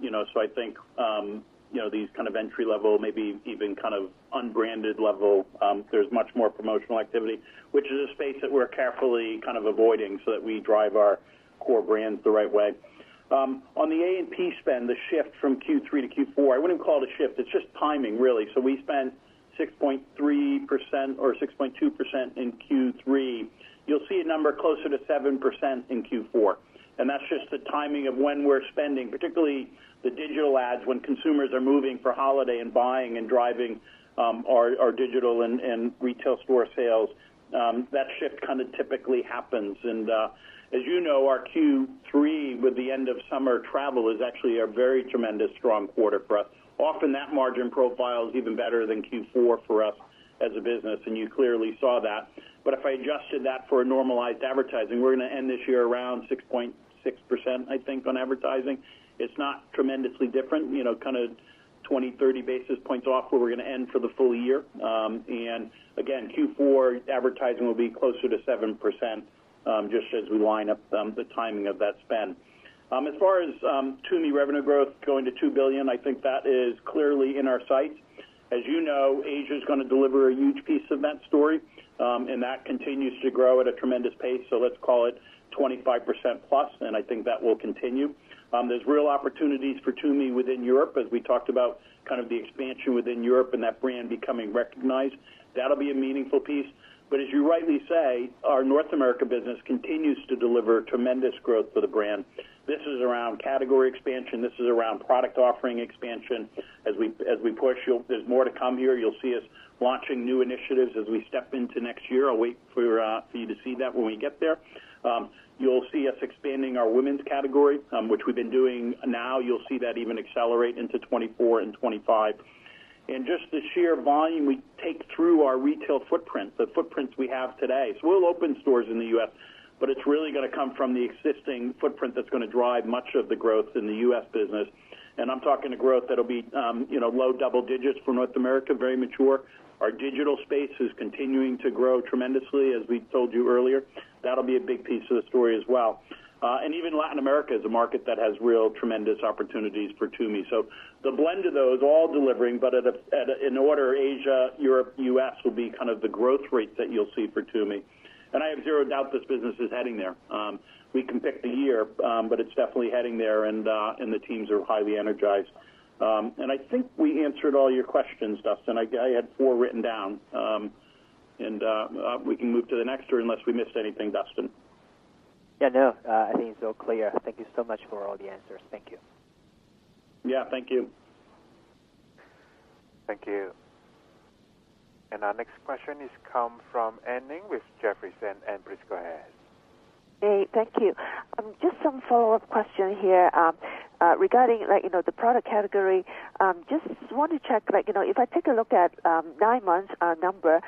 You know, so I think you know, these kind of entry-level, maybe even kind of unbranded level, there's much more promotional activity, which is a space that we're carefully kind of avoiding so that we drive our core brands the right way. On the A&P spend, the shift from Q3 to Q4, I wouldn't call it a shift. It's just timing, really. So we spent 6.3% or 6.2% in Q3. You'll see a number closer to 7% in Q4, and that's just the timing of when we're spending, particularly the digital ads, when consumers are moving for holiday and buying and driving our digital and retail store sales, that shift kind of typically happens. As you know, our Q3, with the end of summer travel, is actually a very tremendous strong quarter for us. Often, that margin profile is even better than Q4 for us as a business, and you clearly saw that. But if I adjusted that for a normalized advertising, we're gonna end this year around 6.6%, I think, on advertising. It's not tremendously different, you know, kind of 20-30 basis points off where we're gonna end for the full year. And again, Q4 advertising will be closer to 7%, just as we line up the timing of that spend. As far as TUMI revenue growth going to $2 billion, I think that is clearly in our sights. As you know, Asia is gonna deliver a huge piece of that story, and that continues to grow at a tremendous pace. So let's call it 25%+, and I think that will continue. There's real opportunities for TUMI within Europe, as we talked about kind of the expansion within Europe and that brand becoming recognized. That'll be a meaningful piece. But as you rightly say, our North America business continues to deliver tremendous growth for the brand. This is around category expansion. This is around product offering expansion. As we push you, there's more to come here. You'll see us launching new initiatives as we step into next year. I'll wait for you to see that when we get there. You'll see us expanding our women's category, which we've been doing now. You'll see that even accelerate into 2024 and 2025. Just the sheer volume we take through our retail footprint, the footprints we have today. So we'll open stores in the U.S., but it's really gonna come from the existing footprint that's gonna drive much of the growth in the U.S. business. And I'm talking a growth that'll be, you know, low double digits for North America, very mature. Our digital space is continuing to grow tremendously, as we told you earlier. That'll be a big piece of the story as well. And even Latin America is a market that has real tremendous opportunities for TUMI. So the blend of those all delivering, but at a in order, Asia, Europe, U.S., will be kind of the growth rates that you'll see for TUMI. And I have zero doubt this business is heading there. We can pick the year, but it's definitely heading there, and the teams are highly energized. I think we answered all your questions, Dustin. I had four written down. We can move to the next or unless we missed anything, Dustin. Yeah, no, I think it's all clear. Thank you so much for all the answers. Thank you. Yeah, thank you. Thank you. Our next question is come from Anne Ling with Jefferies, and please go ahead.... Hey, thank you. Just some follow-up question here, regarding, like, you know, the product category. Just want to check, like, you know, if I take a look at nine months number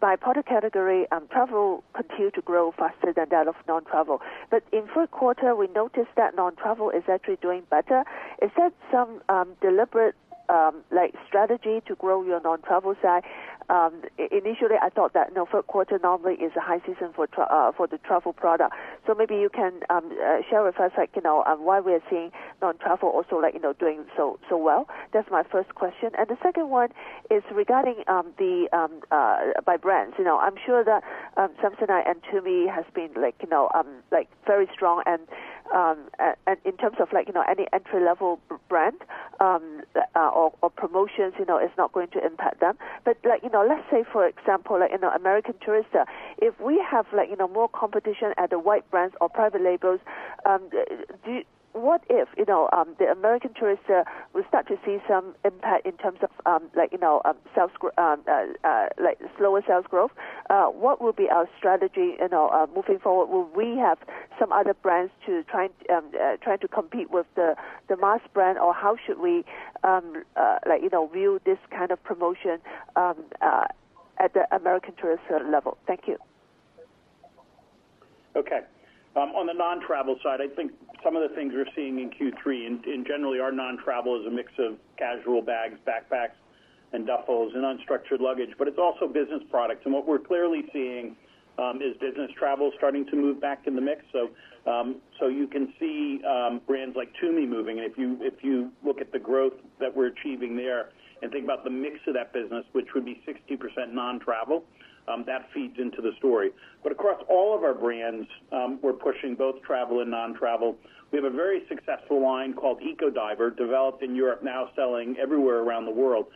by product category, travel continue to grow faster than that of non-travel. But in third quarter, we noticed that non-travel is actually doing better. Is that some deliberate, like, strategy to grow your non-travel side? Initially, I thought that, you know, third quarter normally is a high season for the travel product. So maybe you can share with us, like, you know, why we are seeing non-travel also, like, you know, doing so, so well? That's my first question. And the second one is regarding the by brands. You know, I'm sure that Samsonite and TUMI has been like, you know, like, very strong, and in terms of like, you know, any entry-level B-brand or promotions, you know, is not going to impact them. But, like, you know, let's say, for example, like, you know, American Tourister, if we have, like, you know, more competition at the white brands or private labels, what if, you know, the American Tourister will start to see some impact in terms of, like, you know, slower sales growth? What will be our strategy, you know, moving forward? Will we have some other brands to try to compete with the mass brand, or how should we like, you know, view this kind of promotion at the American Tourister level? Thank you. Okay. On the non-travel side, I think some of the things we're seeing in Q3 and generally, our non-travel is a mix of casual bags, backpacks, and duffels and unstructured luggage, but it's also business products. And what we're clearly seeing is business travel starting to move back in the mix. So you can see brands like TUMI moving. If you look at the growth that we're achieving there and think about the mix of that business, which would be 60% non-travel, that feeds into the story. But across all of our brands, we're pushing both travel and non-travel. We have a very successful line called Ecodiver, developed in Europe, now selling everywhere around the world.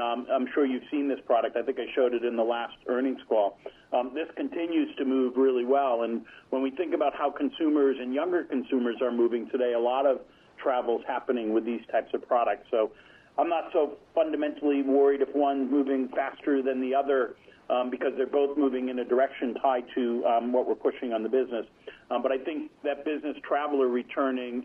I'm sure you've seen this product. I think I showed it in the last earnings call. This continues to move really well, and when we think about how consumers and younger consumers are moving today, a lot of travel is happening with these types of products. So I'm not so fundamentally worried if one's moving faster than the other, because they're both moving in a direction tied to what we're pushing on the business. But I think that business traveler returning,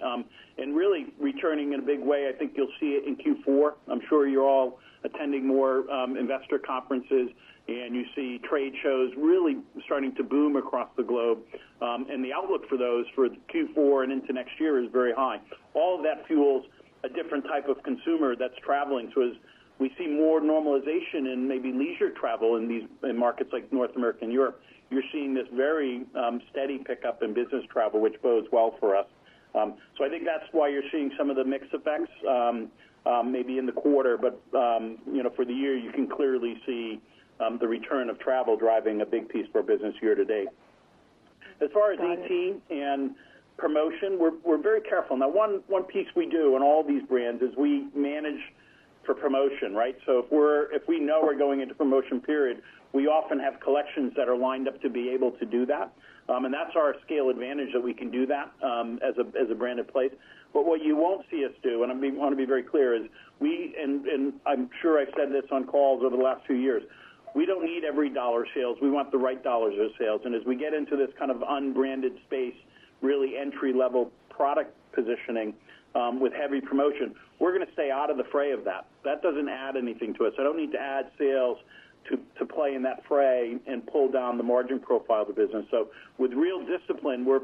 and really returning in a big way, I think you'll see it in Q4. I'm sure you're all attending more investor conferences, and you see trade shows really starting to boom across the globe. And the outlook for those for Q4 and into next year is very high. All of that fuels a different type of consumer that's traveling. So as we see more normalization in maybe leisure travel in these, in markets like North America and Europe, you're seeing this very steady pickup in business travel, which bodes well for us. So I think that's why you're seeing some of the mix effects maybe in the quarter. But you know, for the year, you can clearly see the return of travel driving a big piece of our business year to date. As far as A&P and promotion, we're very careful. Now, one piece we do in all these brands is we manage for promotion, right? So if we know we're going into promotion period, we often have collections that are lined up to be able to do that. And that's our scale advantage, that we can do that, as a branded place. But what you won't see us do, and I want to be very clear, is we. And I'm sure I've said this on calls over the last two years, we don't need every dollar sales. We want the right dollars of sales. And as we get into this kind of unbranded space, really entry-level product positioning, with heavy promotion, we're gonna stay out of the fray of that. That doesn't add anything to us. I don't need to add sales to play in that fray and pull down the margin profile of the business. So with real discipline, we're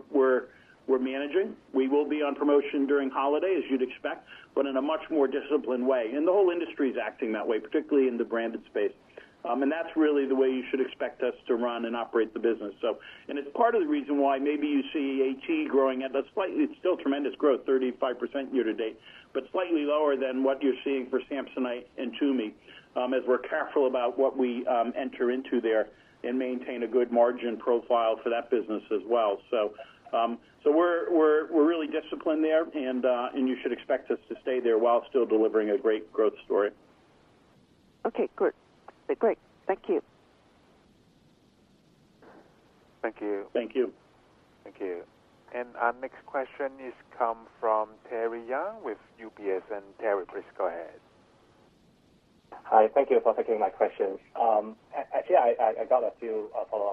managing. We will be on promotion during holiday, as you'd expect, but in a much more disciplined way. And the whole industry is acting that way, particularly in the branded space. That's really the way you should expect us to run and operate the business. So, and it's part of the reason why maybe you see A.T. growing at a slightly - it's still tremendous growth, 35% year to date, but slightly lower than what you're seeing for Samsonite and Tumi, as we're careful about what we enter into there and maintain a good margin profile for that business as well. So, so we're really disciplined there, and, and you should expect us to stay there while still delivering a great growth story. Okay, good. Great. Thank you. Thank you. Thank you. Thank you. Our next question comes from Terry Young with UBS. Terry, please go ahead. Hi, thank you for taking my questions. Actually, I got a few follow up questions.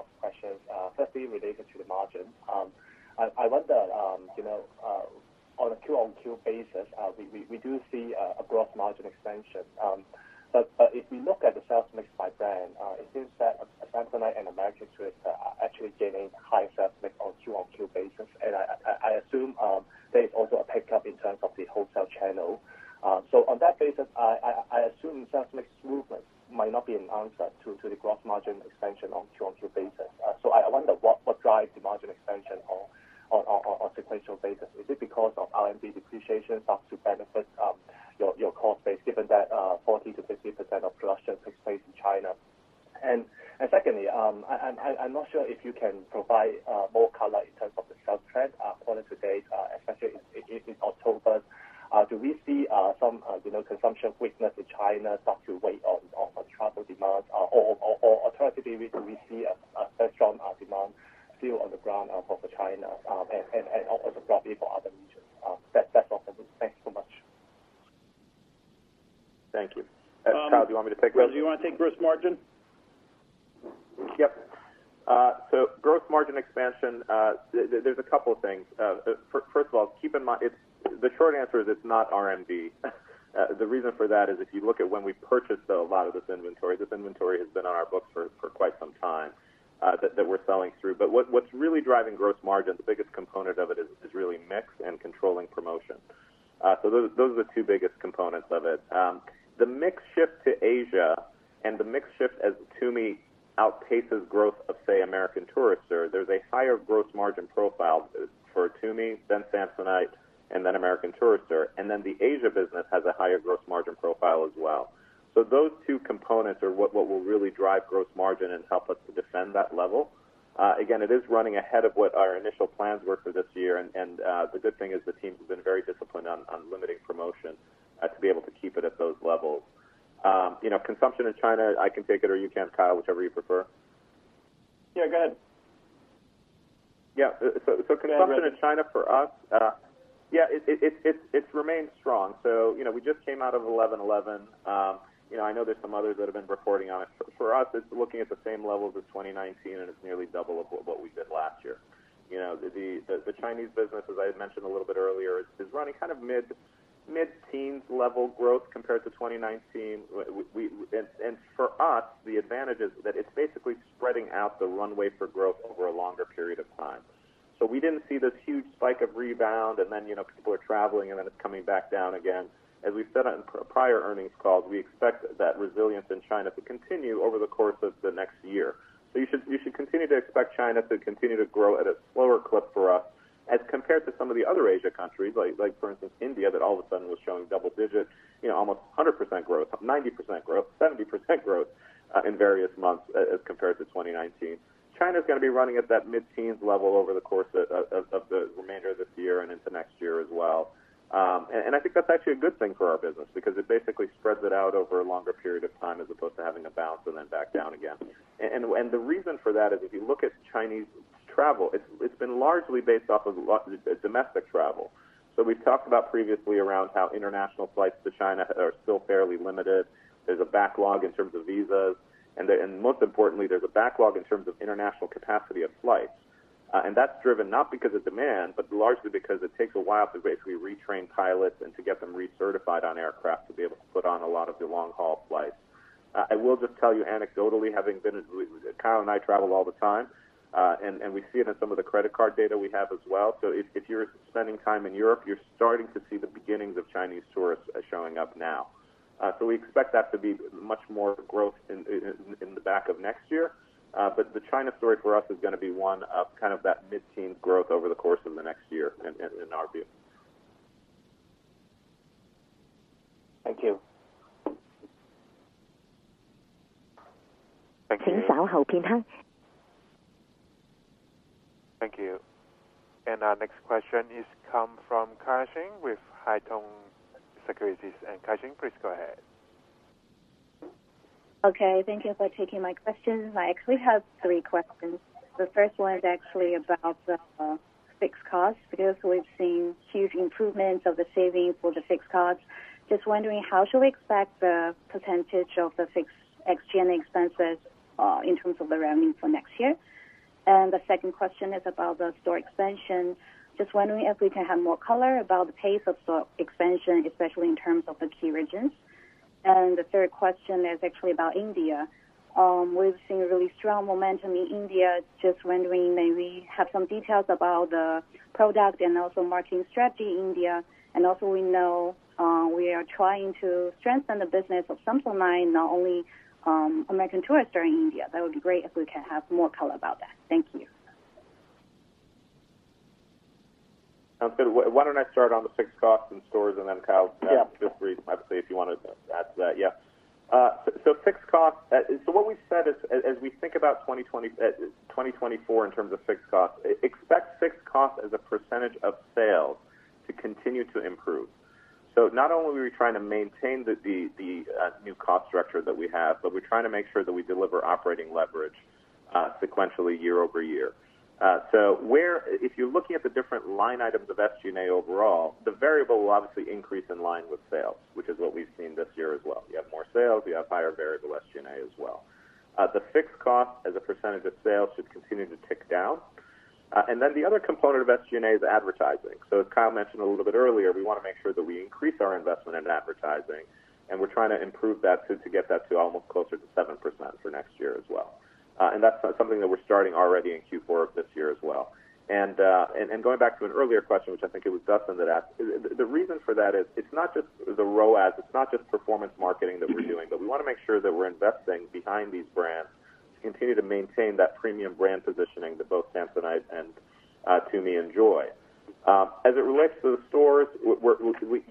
and then the Asia business has a higher gross margin profile as well. So those two components are what will really drive gross margin and help us to defend that level. Again, it is running ahead of what our initial plans were for this year, and the good thing is the team has been very disciplined on limiting promotion to be able to keep it at those levels. You know, consumption in China, I can take it or you can, Kyle, whichever you prefer. Yeah, go ahead. Yeah. So, consumption in China for us, yeah, it's remained strong. So, you know, we just came out of 11/11. You know, I know there's some others that have been reporting on it. For us, it's looking at the same levels as 2019, and it's nearly double of what we did last year. You know, the Chinese business, as I had mentioned a little bit earlier, is running mid-teens level growth compared to 2019. And for us, the advantage is that it's basically spreading out the runway for growth over a longer period of time. So we didn't see this huge spike of rebound, and then, you know, people are traveling, and then it's coming back down again. As we said on prior earnings calls, we expect that resilience in China to continue over the course of the next year. So you should continue to expect China to continue to grow at a slower clip for us as compared to some of the other Asia countries, like for instance, India, that all of a sudden was showing double digits, you know, almost 100% growth, 90% growth, 70% growth in various months as compared to 2019. China is going to be running at that mid-teens level over the course of the remainder of this year and into next year as well. And I think that's actually a good thing for our business because it basically spreads it out over a longer period of time, as opposed to having a bounce and then back down again. The reason for that is, if you look at Chinese travel, it's been largely based off of domestic travel. So we've talked about previously around how international flights to China are still fairly limited. There's a backlog in terms of visas, and then most importantly, there's a backlog in terms of international capacity of flights. That's driven not because of demand, but largely because it takes a while to basically retrain pilots and to get them recertified on aircraft to be able to put on a lot of the long-haul flights. I will just tell you anecdotally, having been... Kyle and I travel all the time, and we see it in some of the credit card data we have as well. So if you're spending time in Europe, you're starting to see the beginnings of Chinese tourists showing up now. So we expect that to be much more growth in the back of next year. But the China story for us is going to be one of kind of that mid-teen growth over the course of the next year in our view. Thank you. Thank you. Our next question comes from [Kaixin] with Haitong Securities, and Kaixin, please go ahead. Okay, thank you for taking my questions. I actually have three questions. The first one is actually about the fixed costs, because we've seen huge improvements of the savings for the fixed costs. Just wondering, how should we expect the percentage of the fixed SG&A expenses in terms of the revenue for next year? And the second question is about the store expansion. Just wondering if we can have more color about the pace of the expansion, especially in terms of the key regions. And the third question is actually about India. We've seen really strong momentum in India. Just wondering, maybe have some details about the product and also marketing strategy in India. And also, we know we are trying to strengthen the business of Samsonite, not only American Tourister in India. That would be great if we can have more color about that. Thank you. Okay. Why don't I start on the fixed costs and stores, and then, Kyle- Yeah. Just briefly, obviously, if you want to add to that. Yeah. So fixed costs, so what we said is, as we think about 2024 in terms of fixed costs, expect fixed costs as a percentage of sales to continue to improve. So not only are we trying to maintain the new cost structure that we have, but we're trying to make sure that we deliver operating leverage sequentially year over year. So if you're looking at the different line items of SG&A overall, the variable will obviously increase in line with sales, which is what we've seen this year as well. You have more sales, you have higher variable SG&A as well. The fixed cost as a percentage of sales should continue to tick down. And then the other component of SG&A is advertising. So as Kyle mentioned a little bit earlier, we want to make sure that we increase our investment in advertising, and we're trying to improve that to, to get that to almost closer to 7% for next year as well. And that's something that we're starting already in Q4 of this year as well. And, and going back to an earlier question, which I think it was Dustin that asked, the, the reason for that is it's not just the ROAS, it's not just performance marketing that we're doing, but we want to make sure that we're investing behind these brands to continue to maintain that premium brand positioning that both Samsonite and, Tumi enjoy. As it relates to the stores, we're,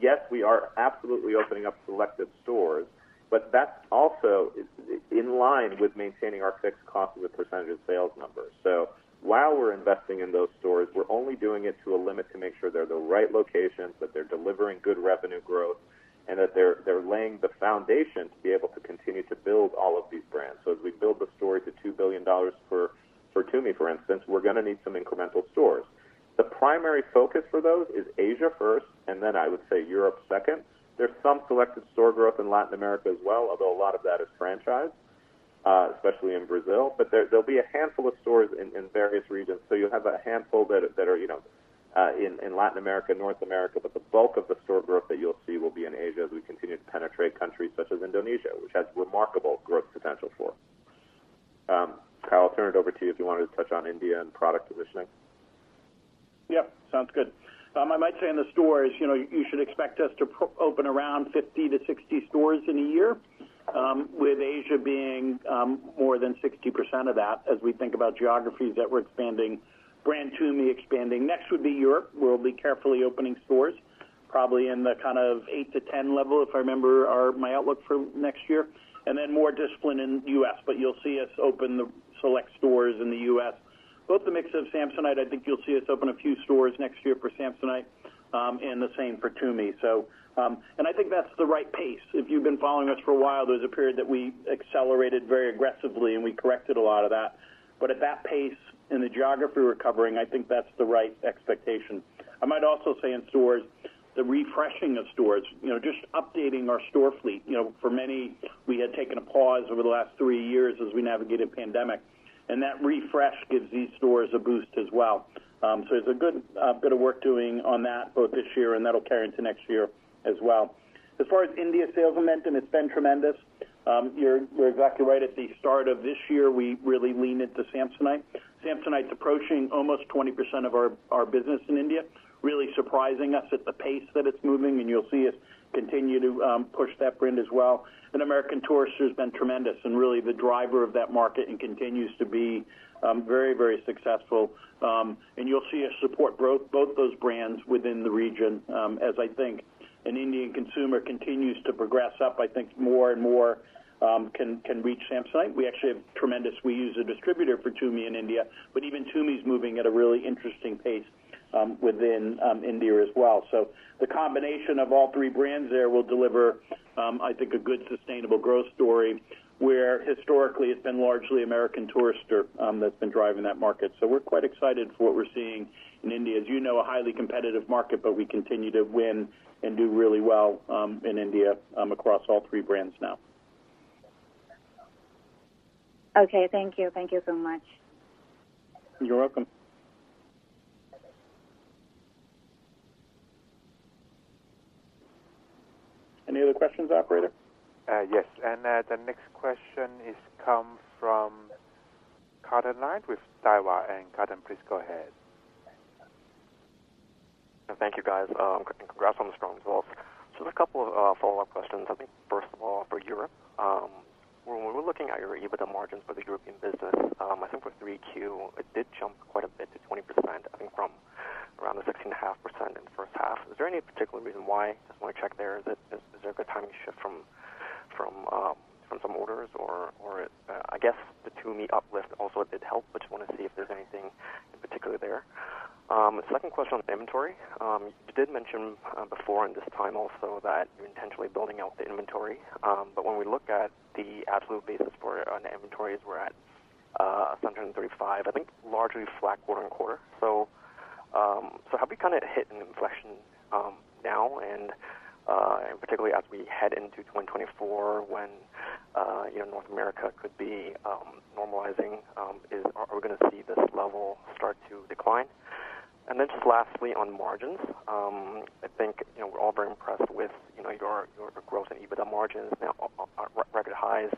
yes, we are absolutely opening up selective stores, but that's also in line with maintaining our fixed cost as a percentage of sales numbers. So while we're investing in those stores, we're only doing it to a limit to make sure they're the right locations, that they're delivering good revenue growth, and that they're laying the foundation to be able to continue to build all of these brands. So as we build the story to $2 billion for TUMI, for instance, we're going to need some incremental stores. The primary focus for those is Asia first, and then I would say Europe second. There's some selective store growth in Latin America as well, although a lot of that is franchised, especially in Brazil. But there'll be a handful of stores in various regions. So you'll have a handful that are, you know, in Latin America, North America, but the bulk of the store growth that you'll see will be in Asia as we continue to penetrate countries such as Indonesia, which has remarkable growth potential for. Kyle, I'll turn it over to you if you wanted to touch on India and product positioning. Yep, sounds good. I might say in the stores, you know, you should expect us to open around 50-60 stores in a year, with Asia being more than 60% of that as we think about geographies that we're expanding, brand TUMI expanding. Next would be Europe, where we'll be carefully opening stores, probably in the kind of 8-10 level, if I remember our-- my outlook for next year, and then more discipline in the U.S. But you'll see us open the select stores in the U.S. Both the mix of Samsonite, I think you'll see us open a few stores next year for Samsonite, and the same for TUMI. So, and I think that's the right pace. If you've been following us for a while, there's a period that we accelerated very aggressively, and we corrected a lot of that. But at that pace, in the geography we're covering, I think that's the right expectation. I might also say in stores, the refreshing of stores, you know, just updating our store fleet. You know, for many, we had taken a pause over the last three years as we navigated pandemic, and that refresh gives these stores a boost as well. So there's a good bit of work doing on that both this year, and that'll carry into next year as well. As far as India sales momentum, it's been tremendous. You're exactly right. At the start of this year, we really leaned into Samsonite. Samsonite's approaching almost 20% of our business in India, really surprising us at the pace that it's moving, and you'll see us continue to push that brand as well. And American Tourister has been tremendous and really the driver of that market and continues to be very, very successful. And you'll see us support both those brands within the region, as I think an Indian consumer continues to progress up, I think more and more can reach Samsonite. We actually have tremendous, we use a distributor for TUMI in India, but even TUMI is moving at a really interesting pace within India as well. So the combination of all three brands there will deliver, I think, a good, sustainable growth story, where historically it's been largely American Tourister that's been driving that market. So we're quite excited for what we're seeing in India. As you know, a highly competitive market, but we continue to win and do really well, in India, across all three brands now. Okay, thank you. Thank you so much. You're welcome. Any other questions, operator? Yes. The next question comes from Carter Damon with Daiwa, and Carter, please go ahead. Thank you, guys, congrats on the strong results. So just a couple of follow-up questions. I think, first of all, for Europe, when we were looking at your EBITDA margins for the European business, I think for 3Q, it did jump quite a bit to 20%, I think, from around the 16.5% in the first half. Is there any particular reason why? Just want to check there. Is it, is there a good timing shift from some orders or, I guess, the TUMI uplift also did help, but just want to see if there's anything in particular there. Second question on inventory. You did mention, before in this time also that you're intentionally building out the inventory. But when we look at the absolute basis for it on the inventories, we're at $735, I think, largely flat quarter-over-quarter. So have we kind of hit an inflection now? And particularly as we head into 2024, when you know, North America could be normalizing, are we gonna see this level start to decline? And then just lastly, on margins, I think you know, we're all very impressed with you know, your growth in EBITDA margins now on record highs.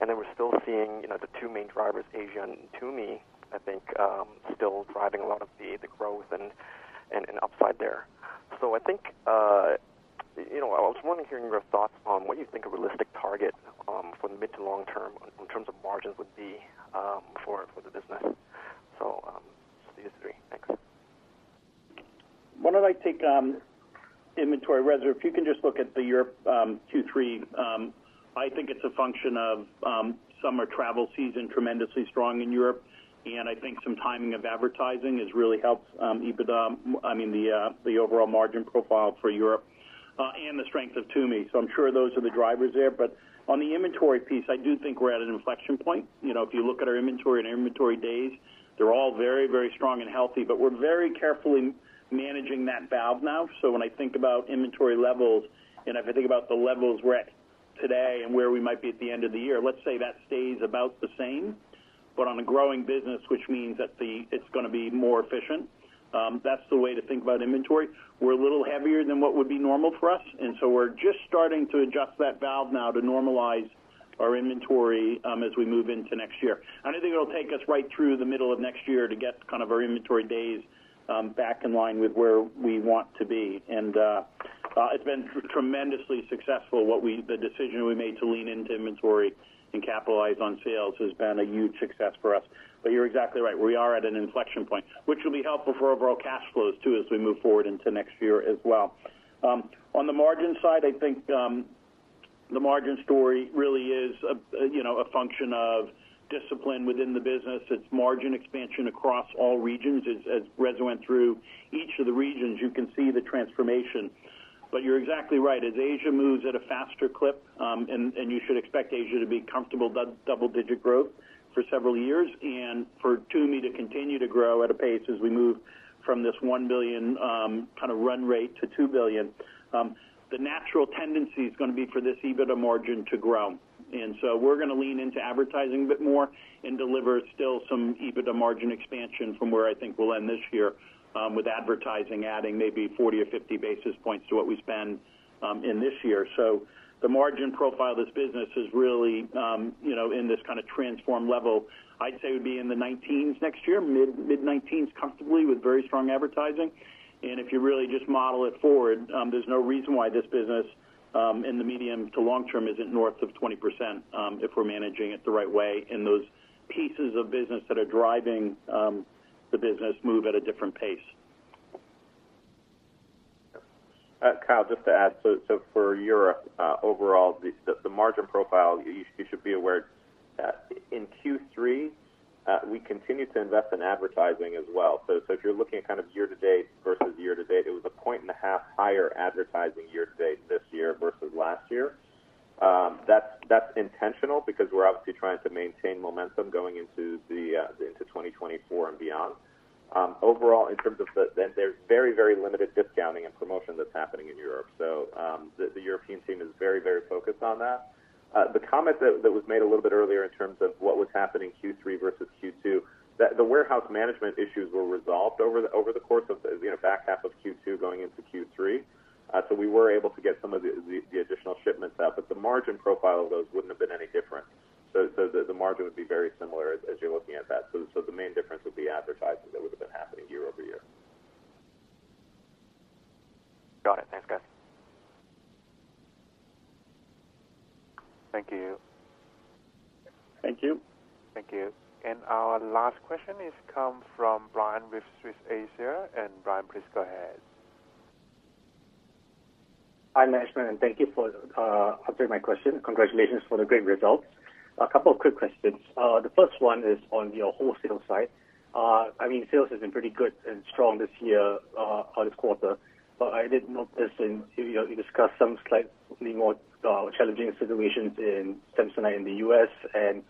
And then we're still seeing you know, the two main drivers, Asia and TUMI, I think, still driving a lot of the growth and upside there. So I think, you know, I was wondering, hearing your thoughts on what you think a realistic target for the mid- to long-term in terms of margins would be for the business. So just these three. Thanks. Why don't I take inventory, Reza, if you can just look at the Europe, 2, 3. I think it's a function of summer travel season tremendously strong in Europe, and I think some timing of advertising has really helped EBITDA. I mean, the, the overall margin profile for Europe, and the strength of TUMI. So I'm sure those are the drivers there. But on the inventory piece, I do think we're at an inflection point. You know, if you look at our inventory and inventory days, they're all very, very strong and healthy, but we're very carefully managing that valve now. So when I think about inventory levels, and if I think about the levels we're at today and where we might be at the end of the year, let's say that stays about the same, but on a growing business, which means that it's gonna be more efficient. That's the way to think about inventory. We're a little heavier than what would be normal for us, and so we're just starting to adjust that valve now to normalize our inventory, as we move into next year. And I think it'll take us right through the middle of next year to get kind of our inventory days, back in line with where we want to be. And it's been tremendously successful. The decision we made to lean into inventory and capitalize on sales has been a huge success for us. But you're exactly right. We are at an inflection point, which will be helpful for overall cash flows, too, as we move forward into next year as well. On the margin side, I think, the margin story really is, you know, a function of discipline within the business. It's margin expansion across all regions. As Reza went through each of the regions, you can see the transformation. But you're exactly right. As Asia moves at a faster clip, and you should expect Asia to be comfortable double-digit growth for several years, and for TUMI to continue to grow at a pace as we move from this $1 billion kind of run rate to $2 billion, the natural tendency is gonna be for this EBITDA margin to grow. So we're gonna lean into advertising a bit more and deliver still some EBITDA margin expansion from where I think we'll end this year, with advertising adding maybe 40 or 50 basis points to what we spend, in this year. The margin profile of this business is really, you know, in this kind of transformed level. I'd say it would be in the 19s next year, mid-19s, comfortably, with very strong advertising. And if you really just model it forward, there's no reason why this business, in the medium to long term, isn't north of 20%, if we're managing it the right way, and those pieces of business that are driving the business move at a different pace. Kyle, just to add, so, so for Europe, overall, the margin profile, you should be aware, in Q3, we continued to invest in advertising as well. So, if you're looking at kind of year to date versus year to date, it was 1.5 points higher advertising year to date this year versus last year. That's intentional because we're obviously trying to maintain momentum going into 2024 and beyond. Overall, in terms of the, there's very, very limited discounting and promotion that's happening in Europe. So, the European team is very, very focused on that. The comment that was made a little bit earlier in terms of what was happening Q3 versus Q2, that the warehouse management issues were resolved over the course of the, you know, back half of Q2 going into Q3. So we were able to get some of the additional shipments out, but the margin profile of those wouldn't have been any different. So the margin would be very similar as you're looking at that. So the main difference would be advertising that would have been happening year-over-year. Got it. Thanks, guys. Thank you. Thank you. Thank you. Our last question comes from Brian with Swiss Asia, and Brian, please go ahead. Hi, management, and thank you for answering my question. Congratulations for the great results. A couple of quick questions. The first one is on your wholesale side. I mean, sales has been pretty good and strong this year, or this quarter, but I did notice in, you know, you discussed some slightly more challenging situations in Samsonite in the US and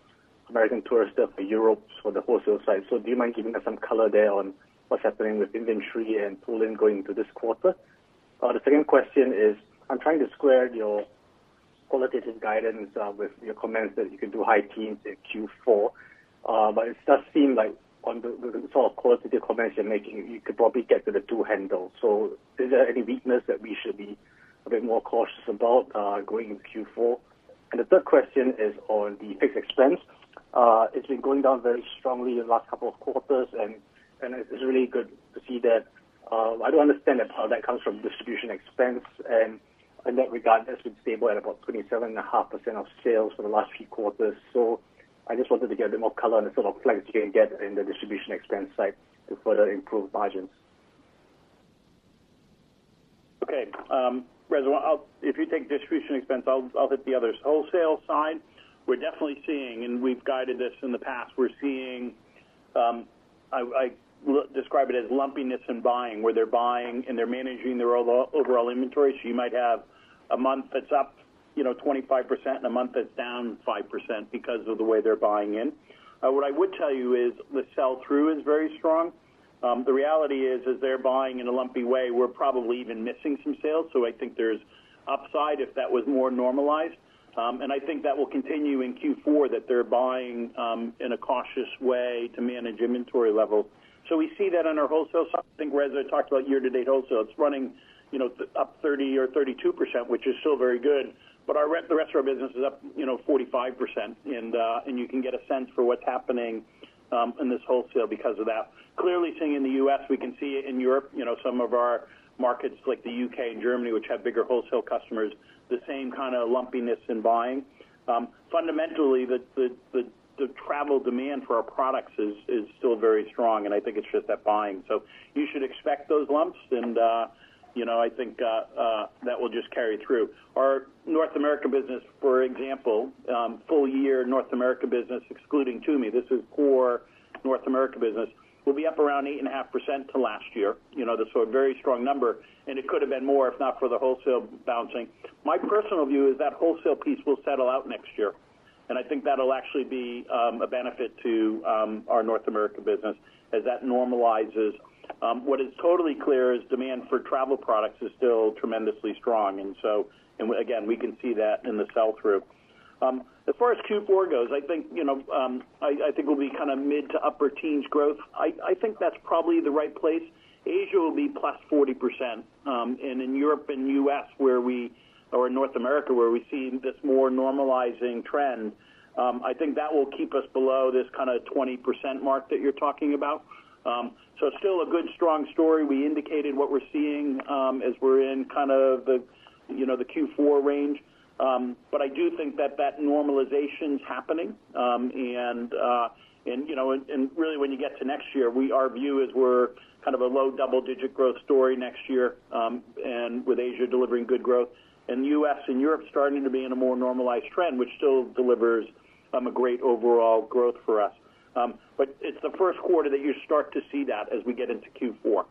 American Tourister for Europe for the wholesale side. So do you mind giving us some color there on what's happening with inventory and pull-in going into this quarter? The second question is, I'm trying to square your qualitative guidance with your comments that you can do high teens in Q4. But it does seem like on the, sort of, qualitative comments you're making, you could probably get to the two handle. So is there any weakness that we should be a bit more cautious about, going into Q4? The third question is on the fixed expense. It's been going down very strongly in the last couple of quarters, and, and it's really good to see that. I don't understand how that comes from distribution expense, and in that regard, that's been stable at about 27.5% of sales for the last few quarters. So I just wanted to get a bit more color on the sort of plans you can get in the distribution expense side to further improve margins. Okay, Reza, I'll, if you take distribution expense, I'll hit the others. Wholesale side, we're definitely seeing, and we've guided this in the past, we're seeing... I describe it as lumpiness in buying, where they're buying and they're managing their overall inventory. So you might have a month that's up, you know, 25% and a month that's down 5% because of the way they're buying in. What I would tell you is the sell-through is very strong. The reality is, as they're buying in a lumpy way, we're probably even missing some sales. So I think there's upside if that was more normalized. And I think that will continue in Q4, that they're buying in a cautious way to manage inventory level. So we see that on our wholesale side. I think Reza talked about year-to-date wholesale. It's running, you know, up 30 or 32%, which is still very good, but the rest of our business is up, you know, 45%, and you can get a sense for what's happening in this wholesale because of that. Clearly seeing in the U.S., we can see it in Europe, you know, some of our markets, like the U.K. and Germany, which have bigger wholesale customers, the same kind of lumpiness in buying. Fundamentally, the travel demand for our products is still very strong, and I think it's just that buying. So you should expect those lumps, and, you know, I think that will just carry through. Our North America business, for example, full year North America business, excluding TUMI, this is core North America business, will be up around 8.5% to last year. You know, so a very strong number, and it could have been more if not for the wholesale bouncing. My personal view is that wholesale piece will settle out next year, and I think that'll actually be a benefit to our North America business as that normalizes. What is totally clear is demand for travel products is still tremendously strong, and so, and again, we can see that in the sell-through. As far as Q4 goes, I think, you know, I think we'll be kind of mid- to upper-teens growth. I think that's probably the right place. Asia will be plus 40%, and in Europe and U.S., where we—or in North America, where we see this more normalizing trend, I think that will keep us below this kind of 20% mark that you're talking about. So still a good, strong story. We indicated what we're seeing, as we're in kind of the, you know, the Q4 range. But I do think that, that normalization's happening, and, and you know, and, and really, when you get to next year, we—our view is we're kind of a low double-digit growth story next year, and with Asia delivering good growth, and U.S. and Europe starting to be in a more normalized trend, which still delivers, a great overall growth for us. But it's the first quarter that you start to see that as we get into Q4.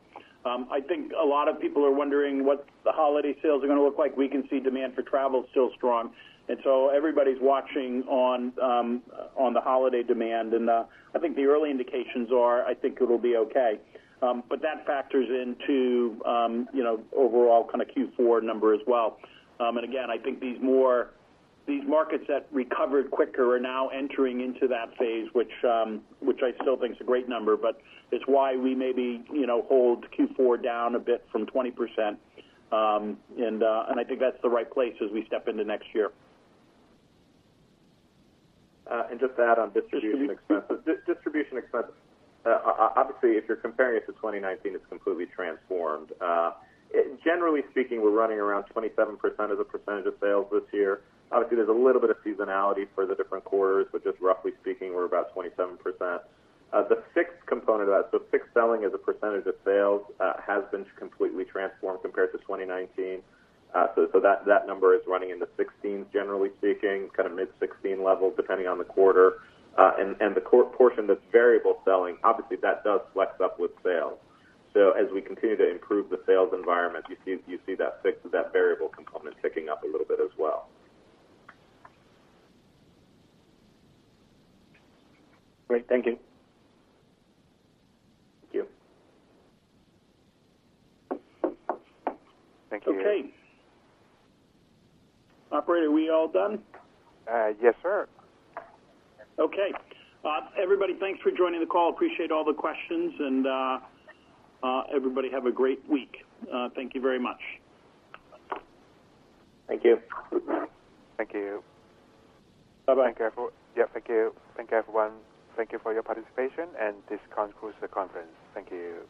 I think a lot of people are wondering what the holiday sales are gonna look like. We can see demand for travel still strong, and so everybody's watching on the holiday demand, and I think the early indications are, I think it'll be okay. But that factors into, you know, overall kind of Q4 number as well. And again, I think these markets that recovered quicker are now entering into that phase, which I still think is a great number, but it's why we maybe, you know, hold Q4 down a bit from 20%. And I think that's the right place as we step into next year. And just to add on distribution expenses. Distribution expense, obviously, if you're comparing it to 2019, it's completely transformed. Generally speaking, we're running around 27% as a percentage of sales this year. Obviously, there's a little bit of seasonality for the different quarters, but just roughly speaking, we're about 27%. The fixed component of that, so fixed selling as a percentage of sales, has been completely transformed compared to 2019. So that number is running in the 16s, generally speaking, kind of mid-16 level, depending on the quarter. And the portion that's variable selling, obviously, that does flex up with sales. So as we continue to improve the sales environment, you see that variable component ticking up a little bit as well. Great. Thank you. Thank you. Thank you. Okay. Operator, are we all done? Yes, sir. Okay. Everybody, thanks for joining the call. Appreciate all the questions, and everybody have a great week. Thank you very much. Thank you. Thank you. Bye-bye. Yeah, thank you. Thank you, everyone. Thank you for your participation, and this concludes the conference. Thank you.